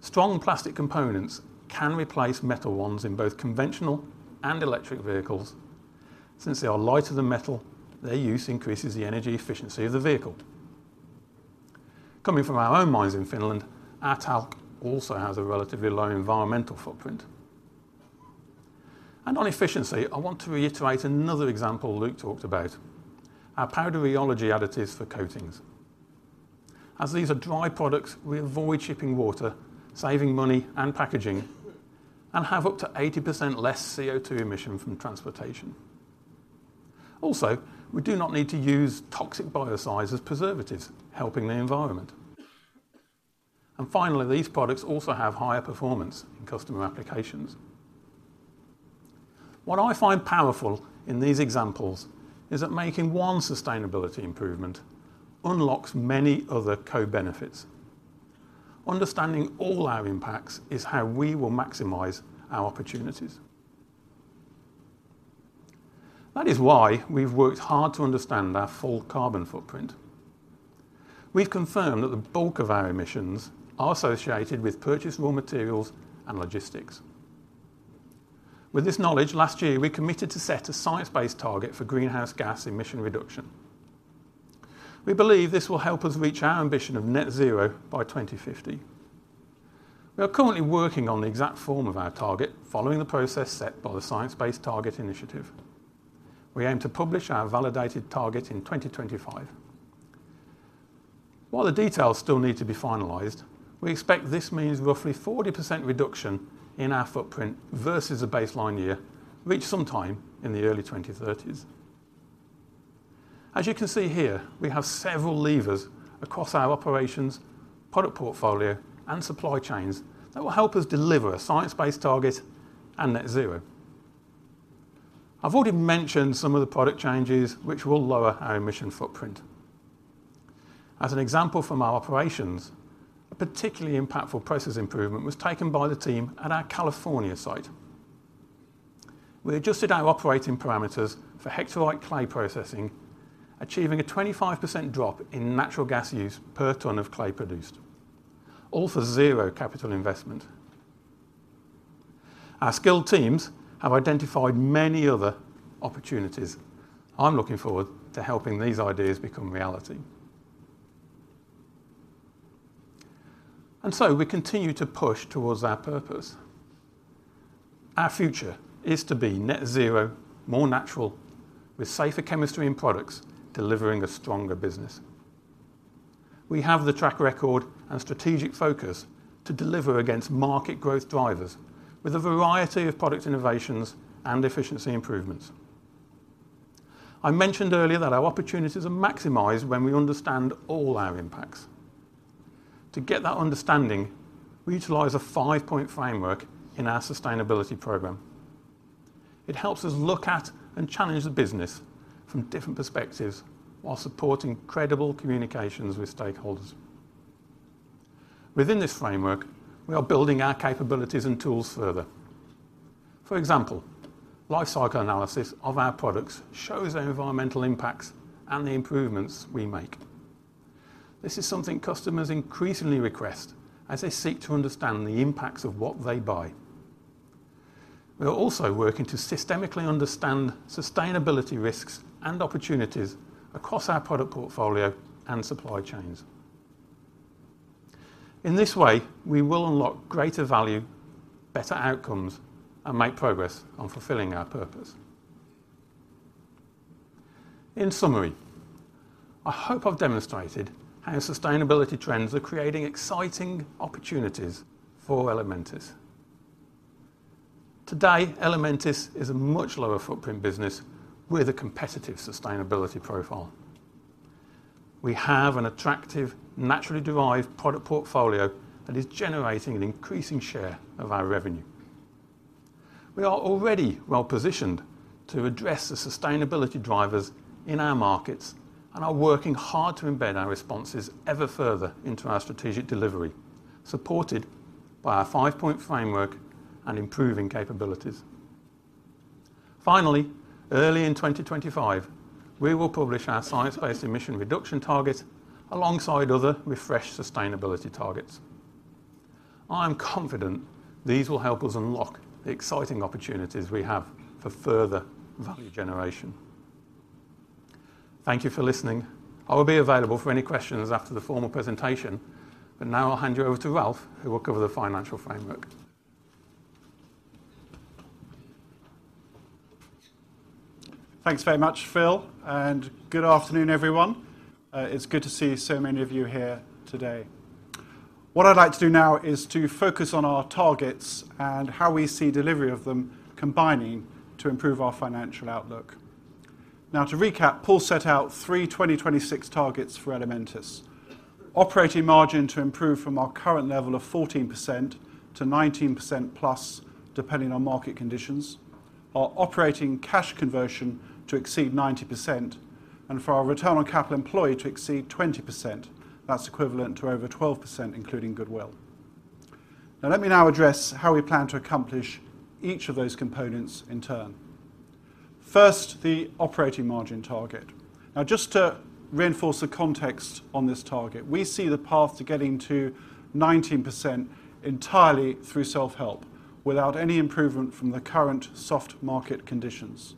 Strong plastic components can replace metal ones in both conventional and electric vehicles. Since they are lighter than metal, their use increases the energy efficiency of the vehicle. Coming from our own mines in Finland, our Talc also has a relatively low environmental footprint. And on efficiency, I want to reiterate another example Luc talked about: our powder rheology additives for coatings. As these are dry products, we avoid shipping water, saving money and packaging, and have up to 80% less CO₂ emission from transportation. Also, we do not need to use toxic biocides as preservatives, helping the environment. Finally, these products also have higher performance in customer applications. What I find powerful in these examples is that making one sustainability improvement unlocks many other co-benefits. Understanding all our impacts is how we will maximize our opportunities. That is why we've worked hard to understand our full carbon footprint. We've confirmed that the bulk of our emissions are associated with purchased raw materials and logistics. With this knowledge, last year, we committed to set a science-based target for greenhouse gas emission reduction. We believe this will help us reach our ambition of Net Zero by 2050. We are currently working on the exact form of our target, following the process set by the Science Based Targets initiative. We aim to publish our validated target in 2025. While the details still need to be finalized, we expect this means roughly 40% reduction in our footprint versus a baseline year, reached sometime in the early 2030s. As you can see here, we have several levers across our operations, product portfolio, and supply chains that will help us deliver a science-based target and Net Zero. I've already mentioned some of the product changes which will lower our emission footprint. As an example from our operations, a particularly impactful process improvement was taken by the team at our California site. We adjusted our operating parameters for Hectorite clay processing, achieving a 25% drop in natural gas use per ton of clay produced, all for 0 capital investment. Our skilled teams have identified many other opportunities. I'm looking forward to helping these ideas become reality. And so we continue to push towards our purpose. Our future is to be Net Zero, more natural, with safer chemistry and products, delivering a stronger business. We have the track record and strategic focus to deliver against market growth drivers with a variety of product innovations and efficiency improvements. I mentioned earlier that our opportunities are maximized when we understand all our impacts. To get that understanding, we utilize a five-point framework in our sustainability program. It helps us look at and challenge the business from different perspectives while supporting credible communications with stakeholders. Within this framework, we are building our capabilities and tools further. For example, life cycle analysis of our products shows their environmental impacts and the improvements we make. This is something customers increasingly request as they seek to understand the impacts of what they buy. We are also working to systemically understand sustainability risks and opportunities across our product portfolio and supply chains. In this way, we will unlock greater value, better outcomes, and make progress on fulfilling our purpose. In summary, I hope I've demonstrated how sustainability trends are creating exciting opportunities for Elementis. Today, Elementis is a much lower footprint business with a competitive sustainability profile. We have an attractive, naturally derived product portfolio that is generating an increasing share of our revenue.... We are already well positioned to address the sustainability drivers in our markets and are working hard to embed our responses ever further into our strategic delivery, supported by our five-point framework and improving capabilities. Finally, early in 2025, we will publish our science-based emission reduction targets alongside other refreshed sustainability targets. I'm confident these will help us unlock the exciting opportunities we have for further value generation. Thank you for listening. I will be available for any questions after the formal presentation, but now I'll hand you over to Ralph, who will cover the financial framework. Thanks very much, Phil, and good afternoon, everyone. It's good to see so many of you here today. What I'd like to do now is to focus on our targets and how we see delivery of them combining to improve our financial outlook. Now, to recap, Paul set out three 2026 targets for Elementis: operating margin to improve from our current level of 14% to 19%+, depending on market conditions, our operating cash conversion to exceed 90%, and for our return on capital employed to exceed 20%. That's equivalent to over 12%, including goodwill. Now, let me now address how we plan to accomplish each of those components in turn. First, the operating margin target. Now, just to reinforce the context on this target, we see the path to getting to 19% entirely through self-help, without any improvement from the current soft market conditions.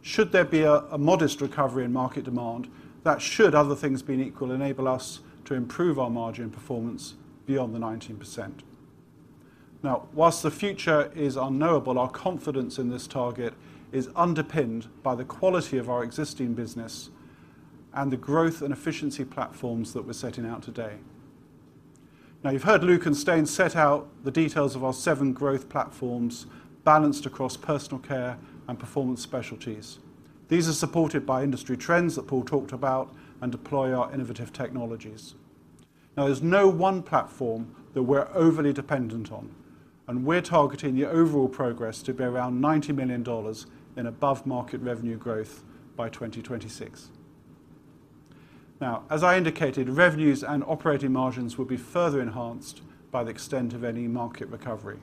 Should there be a modest recovery in market demand, that should, other things being equal, enable us to improve our margin performance beyond the 19%. Now, while the future is unknowable, our confidence in this target is underpinned by the quality of our existing business and the growth and efficiency platforms that we're setting out today. Now, you've heard Luc and Stijn set out the details of our seven growth platforms, balanced across Personal Care and Performance Specialties. These are supported by industry trends that Paul talked about and deploy our innovative technologies. Now, there's no one platform that we're overly dependent on, and we're targeting the overall progress to be around $90 million in above-market revenue growth by 2026. Now, as I indicated, revenues and operating margins will be further enhanced by the extent of any market recovery.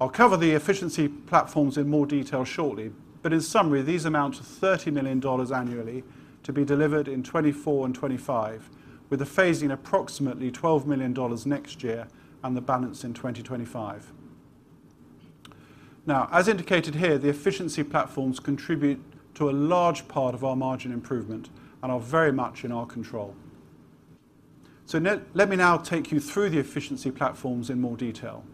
I'll cover the efficiency platforms in more detail shortly, but in summary, these amount to $30 million annually to be delivered in 2024 and 2025, with a phasing approximately $12 million next year and the balance in 2025. Now, as indicated here, the efficiency platforms contribute to a large part of our margin improvement and are very much in our control. So let me now take you through the efficiency platforms in more detail.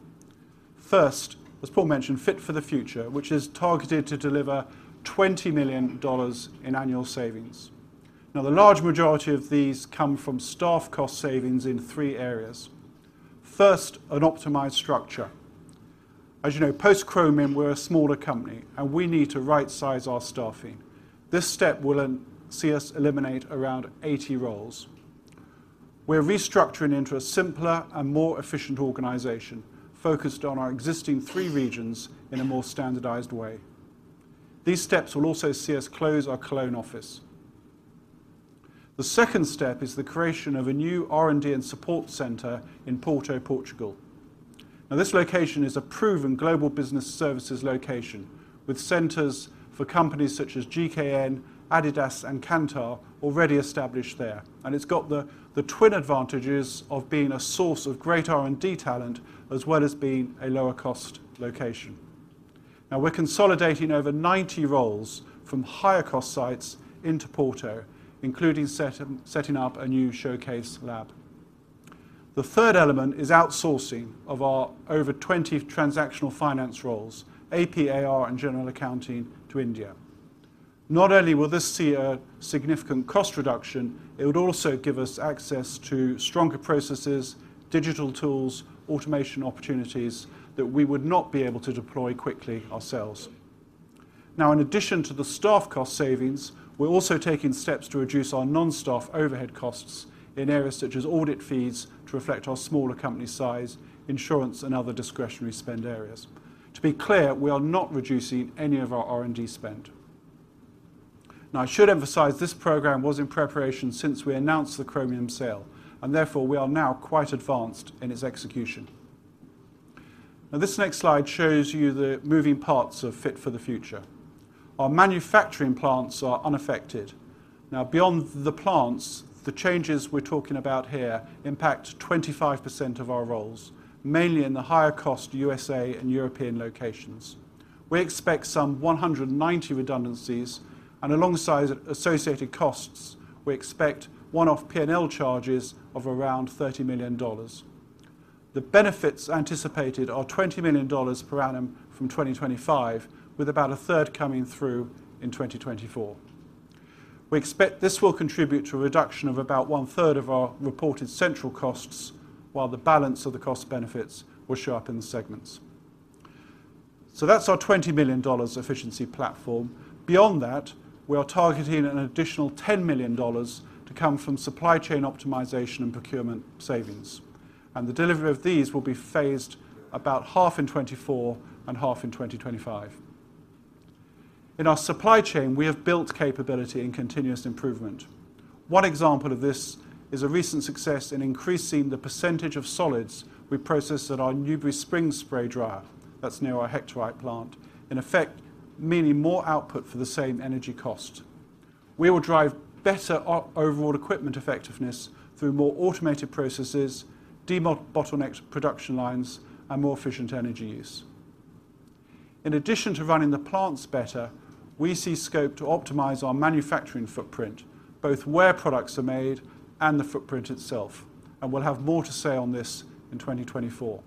First, as Paul mentioned, Fit for the Future, which is targeted to deliver $20 million in annual savings. Now, the large majority of these come from staff cost savings in three areas. First, an optimized structure. As you know, post-Chromium, we're a smaller company, and we need to rightsize our staffing. This step will see us eliminate around 80 roles. We're restructuring into a simpler and more efficient organization, focused on our existing three regions in a more standardized way. These steps will also see us close our Cologne office. The second step is the creation of a new R&D and support center in Porto, Portugal. Now, this location is a proven global business services location, with centers for companies such as GKN, Adidas, and Kantar already established there, and it's got the twin advantages of being a source of great R&D talent, as well as being a lower-cost location. Now, we're consolidating over 90 roles from higher-cost sites into Porto, including setting up a new showcase lab. The third element is outsourcing of our over 20 transactional finance roles, AP, AR, and general accounting, to India. Not only will this see a significant cost reduction, it would also give us access to stronger processes, digital tools, automation opportunities that we would not be able to deploy quickly ourselves. Now, in addition to the staff cost savings, we're also taking steps to reduce our non-staff overhead costs in areas such as audit fees to reflect our smaller company size, insurance, and other discretionary spend areas. To be clear, we are not reducing any of our R&D spend. Now, I should emphasize this program was in preparation since we announced the Chromium sale, and therefore, we are now quite advanced in its execution. Now, this next slide shows you the moving parts of Fit for the Future. Our manufacturing plants are unaffected. Now, beyond the plants, the changes we're talking about here impact 25% of our roles, mainly in the higher-cost U.S. and European locations. We expect some 190 redundancies, and alongside associated costs, we expect one-off P&L charges of around $30 million. The benefits anticipated are $20 million per annum from 2025, with about a third coming through in 2024. We expect this will contribute to a reduction of about one-third of our reported central costs, while the balance of the cost benefits will show up in the segments. So that's our $20 million efficiency platform. Beyond that, we are targeting an additional $10 million to come from supply chain optimization and procurement savings, and the delivery of these will be phased about half in 2024 and half in 2025. In our supply chain, we have built capability and continuous improvement. One example of this is a recent success in increasing the percentage of solids we process at our Newberry Springs spray dryer. That's near our Hectorite plant. In effect, meaning more output for the same energy cost. We will drive better overall equipment effectiveness through more automated processes, debottlenecked production lines, and more efficient energy use. In addition to running the plants better, we see scope to optimize our manufacturing footprint, both where products are made and the footprint itself, and we'll have more to say on this in 2024.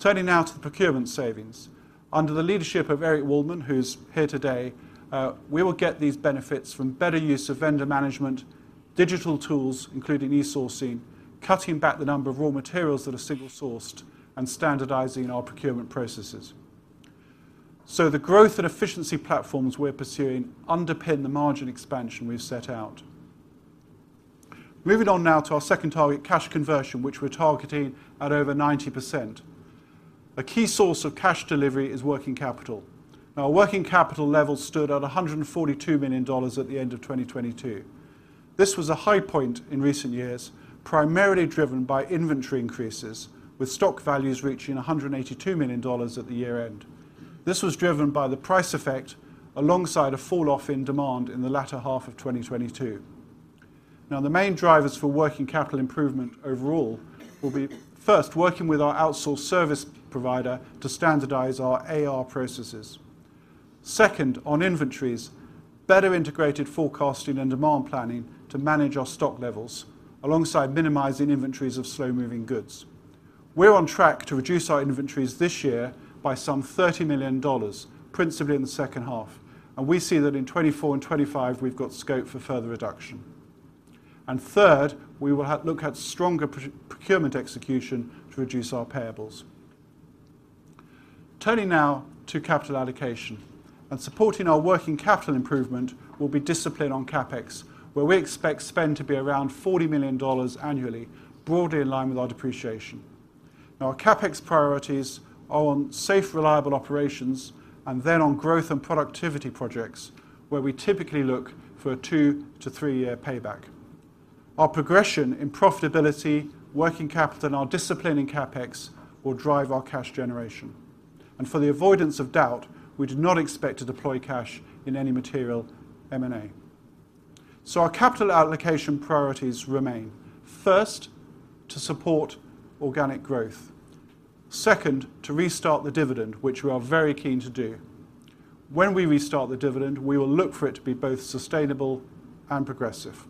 Turning now to the procurement savings. Under the leadership of Eric Waldman, who's here today, we will get these benefits from better use of vendor management, digital tools, including e-sourcing, cutting back the number of raw materials that are single-sourced, and standardizing our procurement processes. So the growth and efficiency platforms we're pursuing underpin the margin expansion we've set out. Moving on now to our second target, cash conversion, which we're targeting at over 90%. A key source of cash delivery is working capital. Now, our working capital level stood at $142 million at the end of 2022. This was a high point in recent years, primarily driven by inventory increases, with stock values reaching $182 million at the year-end. This was driven by the price effect, alongside a falloff in demand in the latter half of 2022. Now, the main drivers for working capital improvement overall will be, first, working with our outsourced service provider to standardize our AR processes. Second, on inventories, better integrated forecasting and demand planning to manage our stock levels, alongside minimizing inventories of slow-moving goods. We're on track to reduce our inventories this year by some $30 million, principally in the second half, and we see that in 2024 and 2025, we've got scope for further reduction. And third, we will have to look at stronger procurement execution to reduce our payables. Turning now to capital allocation, and supporting our working capital improvement will be discipline on CapEx, where we expect spend to be around $40 million annually, broadly in line with our depreciation. Now, our CapEx priorities are on safe, reliable operations and then on growth and productivity projects, where we typically look for a 2-3-year payback. Our progression in profitability, working capital, and our discipline in CapEx will drive our cash generation. For the avoidance of doubt, we do not expect to deploy cash in any material M&A. Our capital allocation priorities remain: first, to support organic growth. Second, to restart the dividend, which we are very keen to do. When we restart the dividend, we will look for it to be both sustainable and progressive.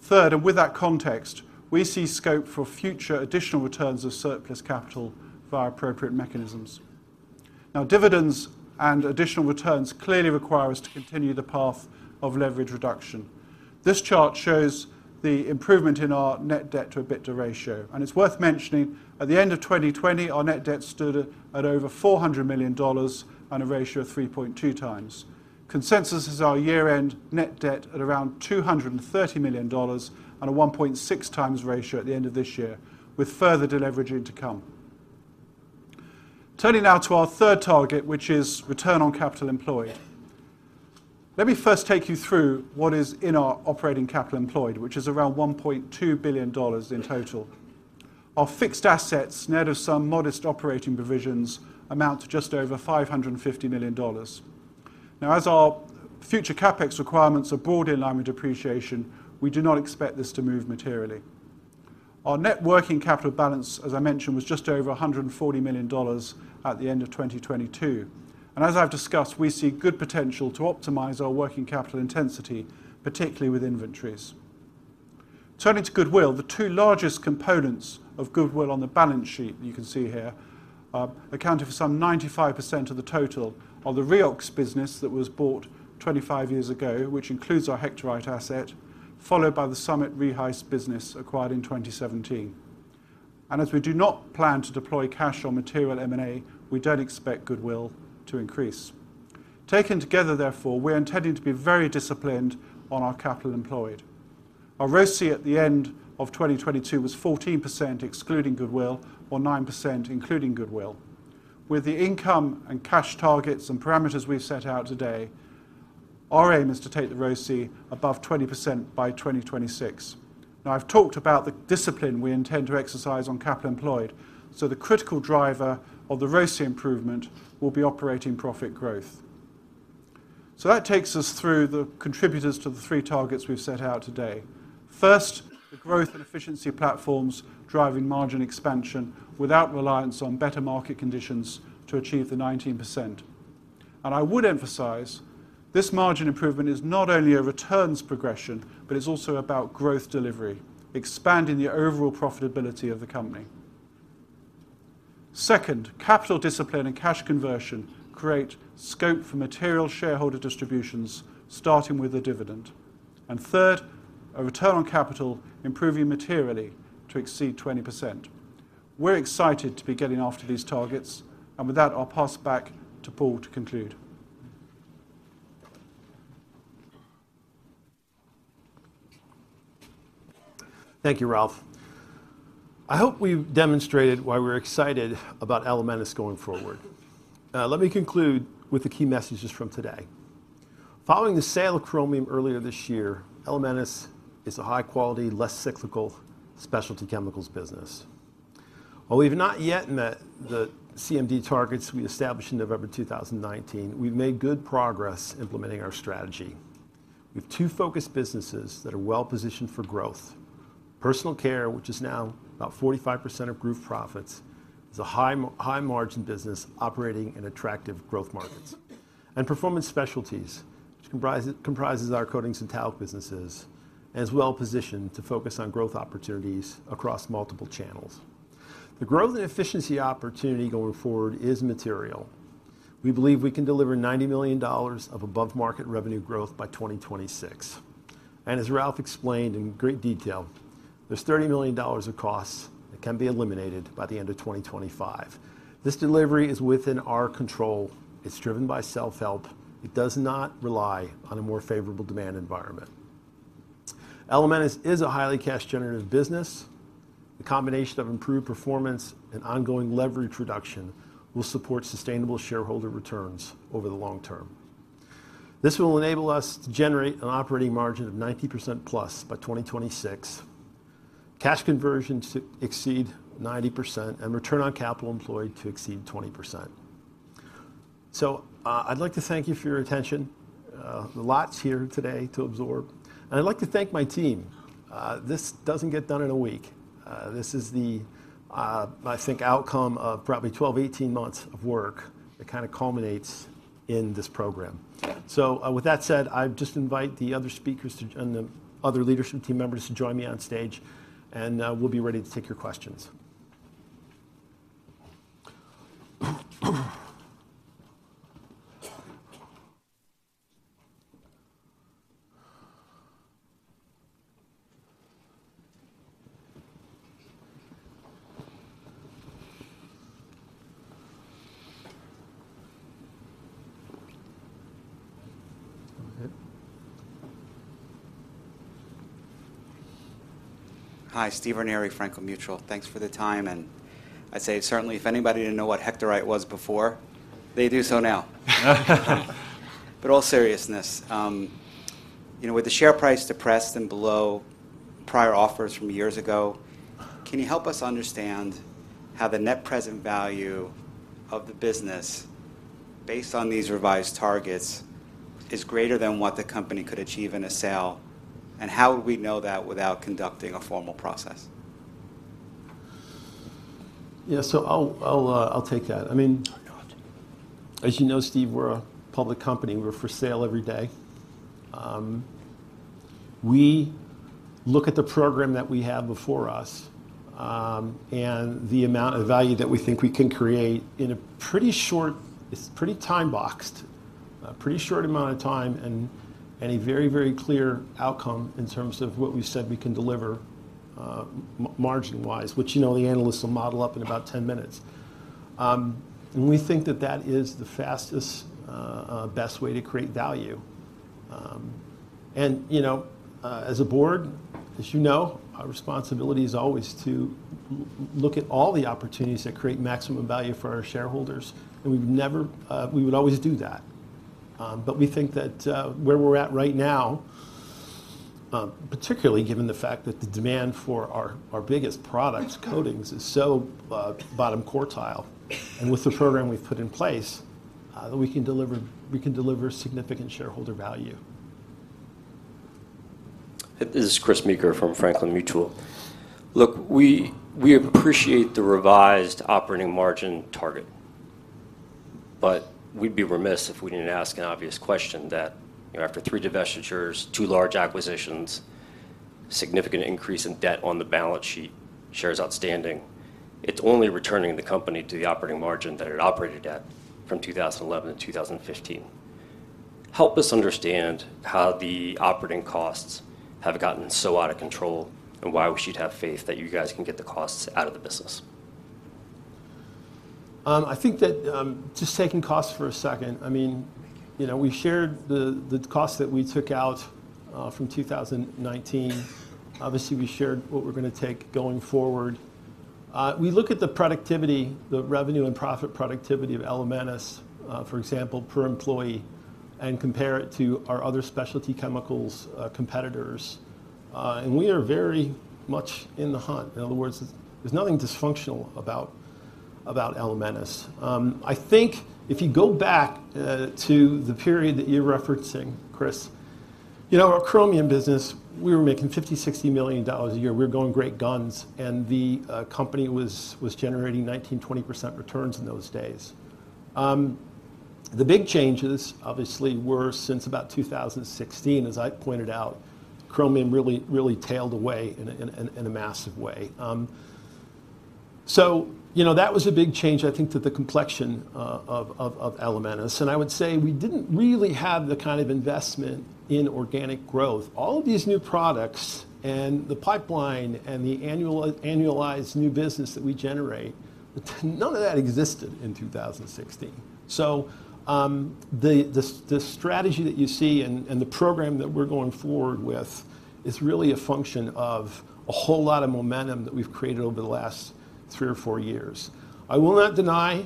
Third, and with that context, we see scope for future additional returns of surplus capital via appropriate mechanisms. Now, dividends and additional returns clearly require us to continue the path of leverage reduction. This chart shows the improvement in our net debt to EBITDA ratio, and it's worth mentioning, at the end of 2020, our net debt stood at over $400 million on a ratio of 3.2x. Consensus is our year-end net debt at around $230 million on a 1.6x ratio at the end of this year, with further deleveraging to come. Turning now to our third target, which is return on capital employed. Let me first take you through what is in our operating capital employed, which is around $1.2 billion in total. Our fixed assets, net of some modest operating provisions, amount to just over $550 million. Now, as our future CapEx requirements are broadly in line with depreciation, we do not expect this to move materially. Our net working capital balance, as I mentioned, was just over $140 million at the end of 2022, and as I've discussed, we see good potential to optimize our working capital intensity, particularly with inventories. Turning to goodwill, the two largest components of goodwill on the balance sheet, you can see here, are accounting for some 95% of the total of the Rheox business that was bought 25 years ago, which includes our Hectorite asset, followed by the SummitReheis business acquired in 2017. As we do not plan to deploy cash on material M&A, we don't expect goodwill to increase. Taken together, therefore, we're intending to be very disciplined on our capital employed. Our ROCE at the end of 2022 was 14%, excluding goodwill, or 9%, including goodwill. With the income and cash targets and parameters we've set out today, our aim is to take the ROCE above 20% by 2026. Now, I've talked about the discipline we intend to exercise on capital employed, so the critical driver of the ROCE improvement will be operating profit growth. So that takes us through the contributors to the three targets we've set out today. First, the growth and efficiency platforms driving margin expansion without reliance on better market conditions to achieve the 19%. And I would emphasize, this margin improvement is not only a returns progression, but it's also about growth delivery, expanding the overall profitability of the company. Second, capital discipline and cash conversion create scope for material shareholder distributions, starting with the dividend. And third, a return on capital improving materially to exceed 20%. We're excited to be getting after these targets, and with that, I'll pass it back to Paul to conclude. Thank you, Ralph. I hope we've demonstrated why we're excited about Elementis going forward. Let me conclude with the key messages from today. Following the sale of Chromium earlier this year, Elementis is a high quality, less cyclical specialty chemicals business. While we've not yet met the CMD targets we established in November 2019, we've made good progress implementing our strategy. We have two focused businesses that are well positioned for growth. Personal Care, which is now about 45% of group profits, is a high margin business operating in attractive growth markets. Performance Specialties, which comprises our Coatings and Talc businesses, and is well positioned to focus on growth opportunities across multiple channels. The growth and efficiency opportunity going forward is material. We believe we can deliver $90 million of above market revenue growth by 2026. As Ralph explained in great detail, there's $30 million of costs that can be eliminated by the end of 2025. This delivery is within our control. It's driven by self-help. It does not rely on a more favorable demand environment. Elementis is a highly cash generative business. The combination of improved performance and ongoing leverage reduction will support sustainable shareholder returns over the long term. This will enable us to generate an operating margin of 90%+ by 2026, cash conversion to exceed 90%, and return on capital employed to exceed 20%. So, I'd like to thank you for your attention. There's lots here today to absorb, and I'd like to thank my team. This doesn't get done in a week. This is the, I think, outcome of probably 12-18 months of work that kind of culminates in this program. So, with that said, I'd just invite the other speakers to-- and the other leadership team members to join me on stage, and, we'll be ready to take your questions. Hi, Steve Raineri, Franklin Mutual. Thanks for the time, and I'd say certainly if anybody didn't know what Hectorite was before, they do so now. But in all seriousness, you know, with the share price depressed and below prior offers from years ago, can you help us understand how the net present value of the business, based on these revised targets, is greater than what the company could achieve in a sale? And how would we know that without conducting a formal process? Yeah. So I'll take that. I mean- Oh, God. As you know, Steve, we're a public company. We're for sale every day. We look at the program that we have before us, and the amount of value that we think we can create in a pretty short... It's pretty time boxed, a pretty short amount of time, and, and a very, very clear outcome in terms of what we've said we can deliver, margin wise, which, you know, the analysts will model up in about 10 minutes. And we think that that is the fastest, best way to create value. And, you know, as a board, as you know, our responsibility is always to look at all the opportunities that create maximum value for our shareholders, and we've never-- we would always do that. But we think that where we're at right now, particularly given the fact that the demand for our biggest products, coatings, is so bottom quartile, and with the program we've put in place, we can deliver significant shareholder value. This is Chris Meeker from Franklin Mutual. Look, we, we appreciate the revised operating margin target, but we'd be remiss if we didn't ask an obvious question that, you know, after three divestitures, two large acquisitions, significant increase in debt on the balance sheet, shares outstanding, it's only returning the company to the operating margin that it operated at from 2011-2015. Help us understand how the operating costs have gotten so out of control, and why we should have faith that you guys can get the costs out of the business. I think that, just taking costs for a second, I mean, you know, we shared the costs that we took out from 2019. Obviously, we shared what we're gonna take going forward. We look at the productivity, the revenue and profit productivity of Elementis, for example, per employee, and compare it to our other specialty chemicals competitors. And we are very much in the hunt. In other words, there's nothing dysfunctional about Elementis. I think if you go back to the period that you're referencing, Chris, you know, our Chromium business, we were making $50 million-$60 million a year. We were going great guns, and the company was generating 19%-20% returns in those days. The big changes, obviously, were since about 2016. As I pointed out, Chromium really, really tailed away in a massive way. So, you know, that was a big change, I think, to the complexion of Elementis. I would say we didn't really have the kind of investment in organic growth. All of these new products and the pipeline and the annualized new business that we generate, none of that existed in 2016. So, the strategy that you see and the program that we're going forward with is really a function of a whole lot of momentum that we've created over the last three or four years. I will not deny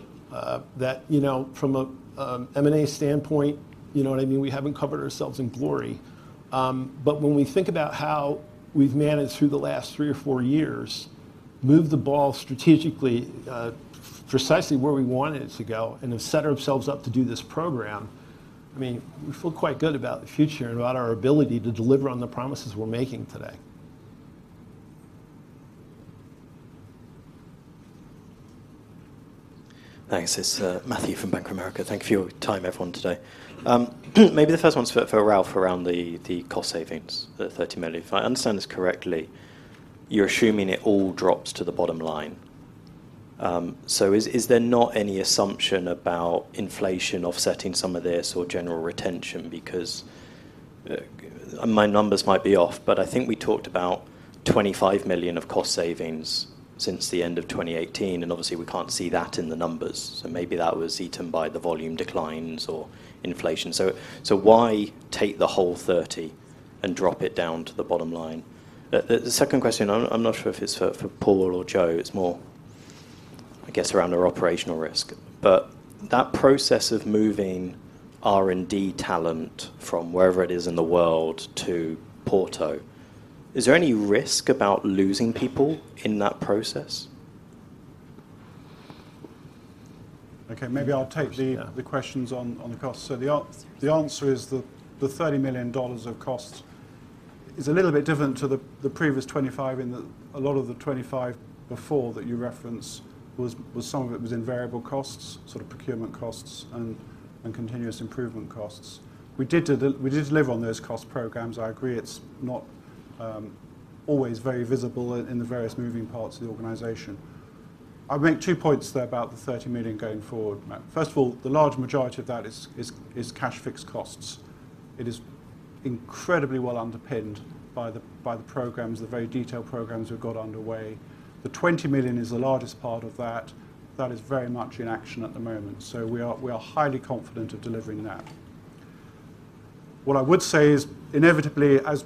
that, you know, from a M&A standpoint, you know what I mean, we haven't covered ourselves in glory. But when we think about how we've managed through the last three or four years, moved the ball strategically, precisely where we wanted it to go and have set ourselves up to do this program, I mean, we feel quite good about the future and about our ability to deliver on the promises we're making today. Thanks. It's Matthew from Bank of America. Thank you for your time, everyone, today. Maybe the first one's for Ralph around the cost savings, the 30 million. If I understand this correctly, you're assuming it all drops to the bottom line. So is there not any assumption about inflation offsetting some of this or general retention? Because my numbers might be off, but I think we talked about 25 million of cost savings since the end of 2018, and obviously we can't see that in the numbers. So maybe that was eaten by the volume declines or inflation. So why take the whole 30 million and drop it down to the bottom line? The second question, I'm not sure if it's for Paul or Joe, it's more, I guess, around our operational risk. That process of moving R&D talent from wherever it is in the world to Porto, is there any risk about losing people in that process? Okay, maybe I'll take the- Yeah... the questions on the cost. So the answer is the $30 million of cost is a little bit different to the previous $25 million, in that a lot of the $25 million before that you referenced was some of it was in variable costs, sort of procurement costs and continuous improvement costs. We did deliver on those cost programs. I agree it's not always very visible in the various moving parts of the organization. I'll make two points there about the $30 million going forward, Matt. First of all, the large majority of that is cash-fixed costs. It is incredibly well-underpinned by the programs, the very detailed programs we've got underway. The $20 million is the largest part of that. That is very much in action at the moment, so we are, we are highly confident of delivering that. What I would say is, inevitably, as,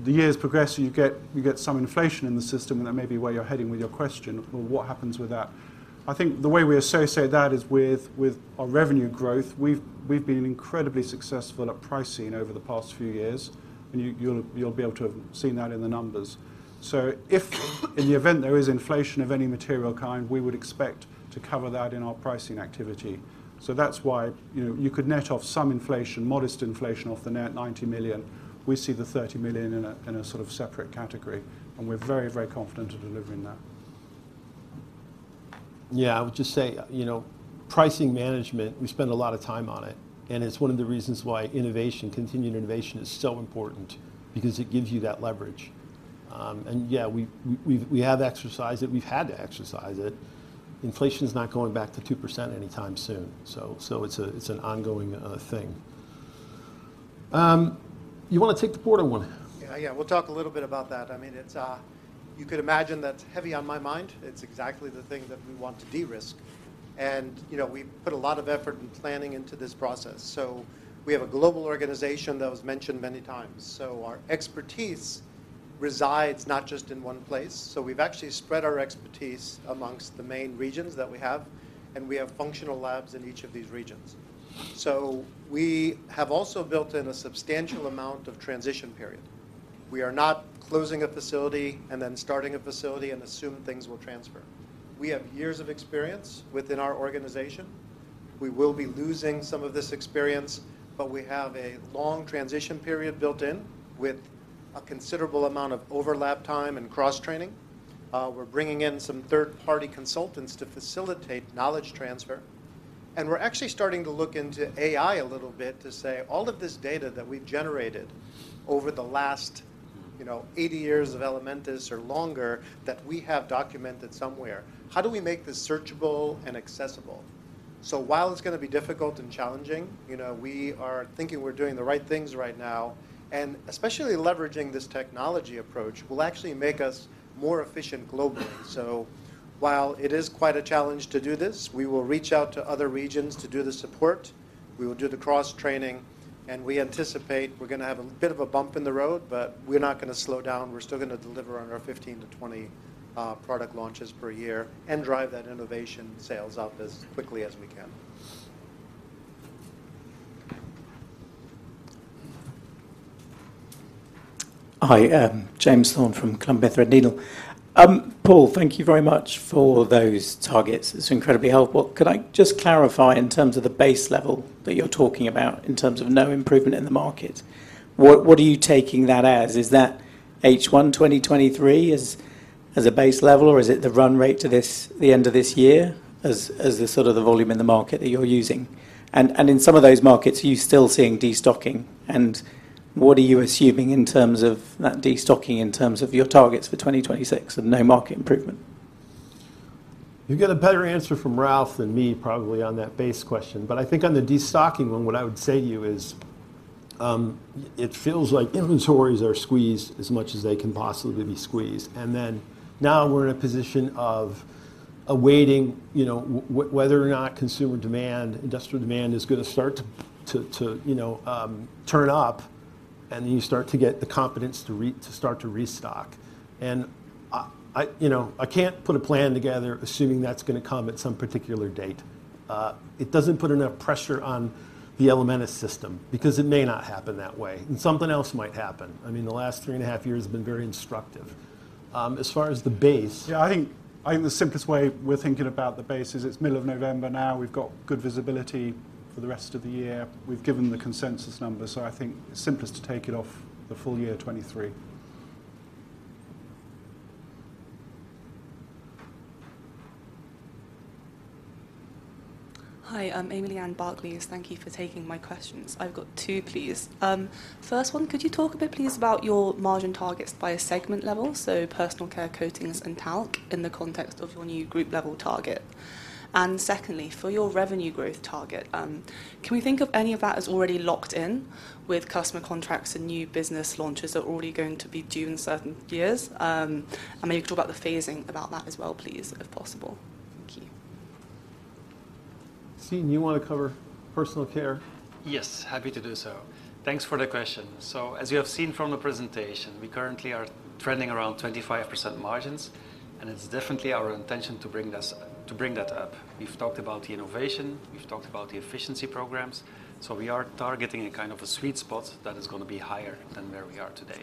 as the years progress, you get, you get some inflation in the system, and that may be where you're heading with your question of, Well, what happens with that? I think the way we associate that is with, with our revenue growth. We've, we've been incredibly successful at pricing over the past few years, and you, you'll, you'll be able to have seen that in the numbers. So if in the event there is inflation of any material kind, we would expect to cover that in our pricing activity. So that's why, you know, you could net off some inflation, modest inflation, off the net 90 million. We see the 30 million in a sort of separate category, and we're very, very confident in delivering that. Yeah, I would just say, you know, pricing management, we spend a lot of time on it, and it's one of the reasons why innovation, continued innovation is so important because it gives you that leverage. And yeah, we've, we have exercised it. We've had to exercise it. Inflation's not going back to 2% anytime soon, so it's a, it's an ongoing thing. You wanna take the Porto one? Yeah, yeah. We'll talk a little bit about that. I mean, it's... You could imagine that's heavy on my mind. It's exactly the thing that we want to de-risk. And, you know, we've put a lot of effort and planning into this process. So we have a global organization that was mentioned many times. So our expertise resides not just in one place, so we've actually spread our expertise amongst the main regions that we have, and we have functional labs in each of these regions. So we have also built in a substantial amount of transition period. We are not closing a facility and then starting a facility and assume things will transfer. We have years of experience within our organization. We will be losing some of this experience, but we have a long transition period built in, with a considerable amount of overlap time and cross-training. We're bringing in some third-party consultants to facilitate knowledge transfer, and we're actually starting to look into AI a little bit to say all of this data that we've generated over the last, you know, 80 years of Elementis or longer, that we have documented somewhere, how do we make this searchable and accessible? So while it's gonna be difficult and challenging, you know, we are thinking we're doing the right things right now, and especially leveraging this technology approach will actually make us more efficient globally. So while it is quite a challenge to do this, we will reach out to other regions to do the support. We will do the cross-training, and we anticipate we're gonna have a bit of a bump in the road, but we're not gonna slow down. We're still gonna deliver on our 15-20 product launches per year and drive that innovation sales up as quickly as we can. Hi, James Thorne from Columbia Threadneedle. Paul, thank you very much for those targets. It's incredibly helpful. Could I just clarify in terms of the base level that you're talking about, in terms of no improvement in the market, what, what are you taking that as? Is that H1 2023 as, as a base level, or is it the run rate to this, the end of this year, as, as the sort of the volume in the market that you're using? And, and in some of those markets, are you still seeing destocking? What are you assuming in terms of that destocking in terms of your targets for 2026 and no market improvement? You'll get a better answer from Ralph than me probably on that base question. But I think on the destocking one, what I would say to you is, it feels like inventories are squeezed as much as they can possibly be squeezed. And then now we're in a position of awaiting, you know, whether or not consumer demand, industrial demand, is going to start to turn up, and you start to get the confidence to start to restock. And I, you know, I can't put a plan together assuming that's going to come at some particular date. It doesn't put enough pressure on the Elementis system because it may not happen that way, and something else might happen. I mean, the last three and a half years have been very instructive. As far as the base- Yeah, I think, I think the simplest way we're thinking about the base is it's middle of November now. We've got good visibility for the rest of the year. We've given the consensus number, so I think it's simplest to take it off the full year 2023. Hi, I'm Amy Leanne, Barclays. Thank you for taking my questions. I've got two, please. First one, could you talk a bit, please, about your margin targets by a segment level, so Personal Care, coatings, and Talc, in the context of your new group level target? And secondly, for your revenue growth target, can we think of any of that as already locked in with customer contracts and new business launches that are already going to be due in certain years? And maybe talk about the phasing about that as well, please, if possible. Thank you. Stijn, you want to cover Personal Care? Yes. Happy to do so. Thanks for the question. So as you have seen from the presentation, we currently are trending around 25% margins, and it's definitely our intention to bring that up. We've talked about the innovation, we've talked about the efficiency programs, so we are targeting a kind of a sweet spot that is going to be higher than where we are today.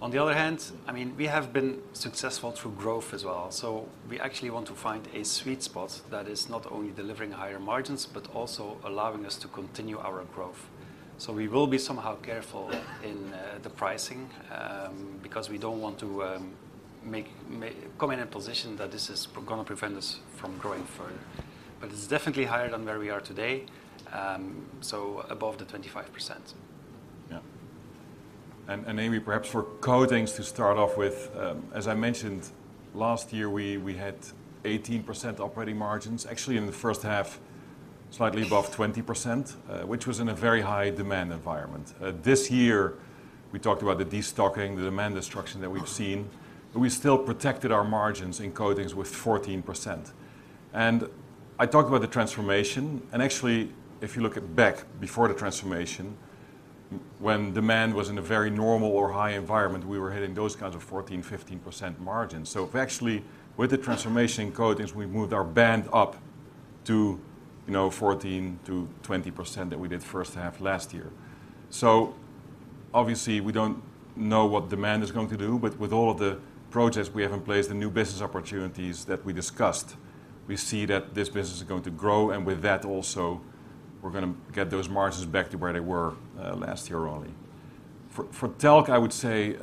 On the other hand, I mean, we have been successful through growth as well, so we actually want to find a sweet spot that is not only delivering higher margins, but also allowing us to continue our growth. So we will be somehow careful in the pricing, because we don't want to come in a position that this is gonna prevent us from growing further. It's definitely higher than where we are today, so above the 25%. Yeah. And, and Amy, perhaps for coatings to start off with, as I mentioned, last year, we, we had 18% operating margins. Actually, in the first half, slightly above 20%, which was in a very high demand environment. This year, we talked about the destocking, the demand destruction that we've seen, but we still protected our margins in coatings with 14%. And I talked about the transformation, and actually, if you look back before the transformation, when demand was in a very normal or high environment, we were hitting those kinds of 14%, 15% margins. So actually, with the transformation in coatings, we moved our band up to, you know, 14%-20% that we did first half last year. So obviously, we don't know what demand is going to do, but with all of the projects we have in place, the new business opportunities that we discussed, we see that this business is going to grow, and with that also, we're going to get those margins back to where they were last year earlier. For Talc, I would say,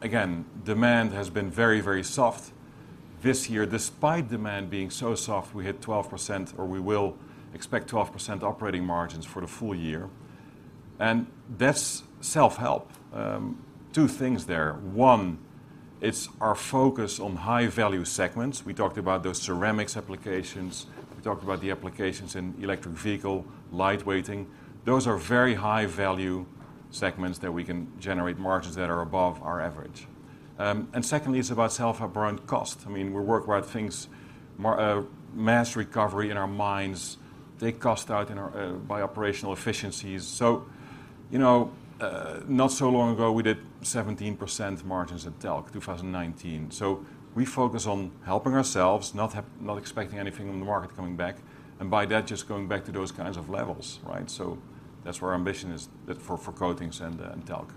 again, demand has been very, very soft this year. Despite demand being so soft, we hit 12%, or we will expect 12% operating margins for the full year. That's self-help. Two things there. One, it's our focus on high-value segments. We talked about those ceramics applications, we talked about the applications in electric vehicle, lightweighting. Those are very high-value segments that we can generate margins that are above our average. And secondly, it's about self-help around cost. I mean, we work around things, mass recovery in our mines. Take cost out in our, by operational efficiencies. So, you know, not so long ago, we did 17% margins in Talc, 2019. So we focus on helping ourselves, not expecting anything from the market coming back, and by that, just going back to those kinds of levels, right? So that's where our ambition is, that for, for coatings and, and Talc.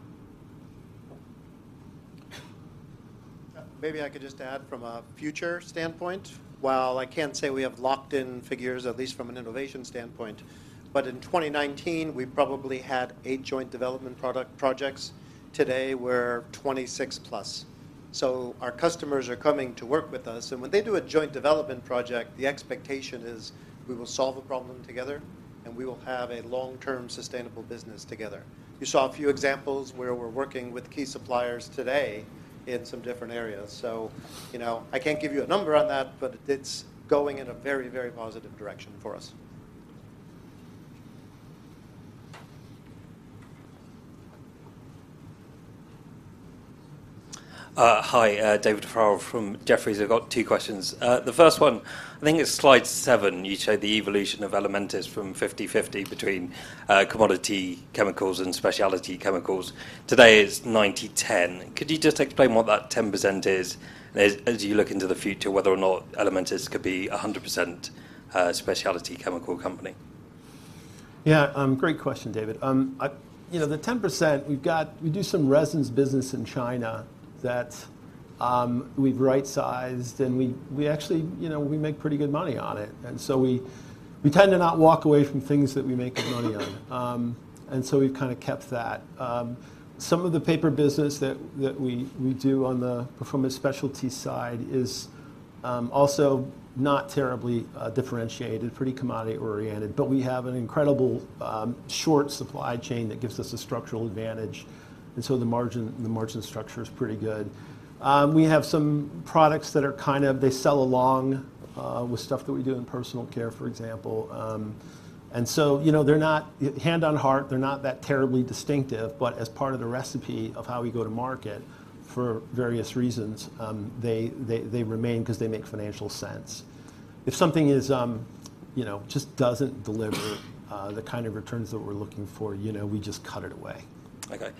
Maybe I could just add from a future standpoint. While I can't say we have locked-in figures, at least from an innovation standpoint, but in 2019, we probably had eight joint development product projects. Today, we're 26+. So our customers are coming to work with us, and when they do a joint development project, the expectation is we will solve a problem together, and we will have a long-term sustainable business together. You saw a few examples where we're working with key suppliers today in some different areas. So, you know, I can't give you a number on that, but it's going in a very, very positive direction for us. Hi, David Farrell from Jefferies. I've got two questions. The first one, I think it's slide seven, you show the evolution of Elementis from 50/50 between commodity chemicals and specialty chemicals. Today, it's 90/10. Could you just explain what that 10% is, as you look into the future, whether or not Elementis could be a 100% specialty chemical company? Yeah, great question, David. You know, the 10%, we've got—we do some resins business in China that, we've right-sized, and we, we actually, you know, we make pretty good money on it. And so we, we tend to not walk away from things that we make money on. And so we've kind of kept that. Some of the paper business that, that we, we do on the performance specialty side is, also not terribly, differentiated, pretty commodity-oriented, but we have an incredible, short supply chain that gives us a structural advantage, and so the margin, the margin structure is pretty good. We have some products that are kind of—they sell along, with stuff that we do in Personal Care, for example. And so, you know, they're not—hand on heart, they're not that terribly distinctive, but as part of the recipe of how we go to market for various reasons, they remain 'cause they make financial sense. If something is, you know, just doesn't deliver the kind of returns that we're looking for, you know, we just cut it away. Okay.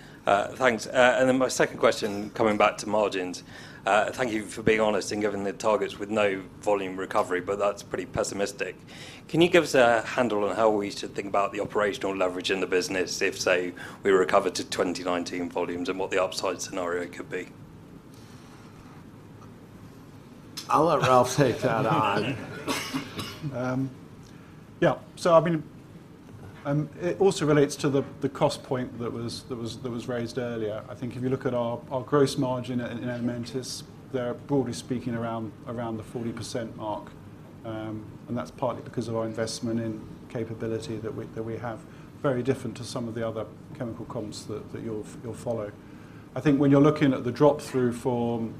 Thanks. And then my second question, coming back to margins. Thank you for being honest and giving the targets with no volume recovery, but that's pretty pessimistic. Can you give us a handle on how we should think about the operational leverage in the business if, say, we recovered to 2019 volumes and what the upside scenario could be? I'll let Ralph take that on. Yeah. So I mean, it also relates to the cost point that was raised earlier. I think if you look at our gross margin in Elementis, they're, broadly speaking, around the 40% mark. And that's partly because of our investment in capability that we have. Very different to some of the other chemical comps that you'll follow. I think when you're looking at the drop-through from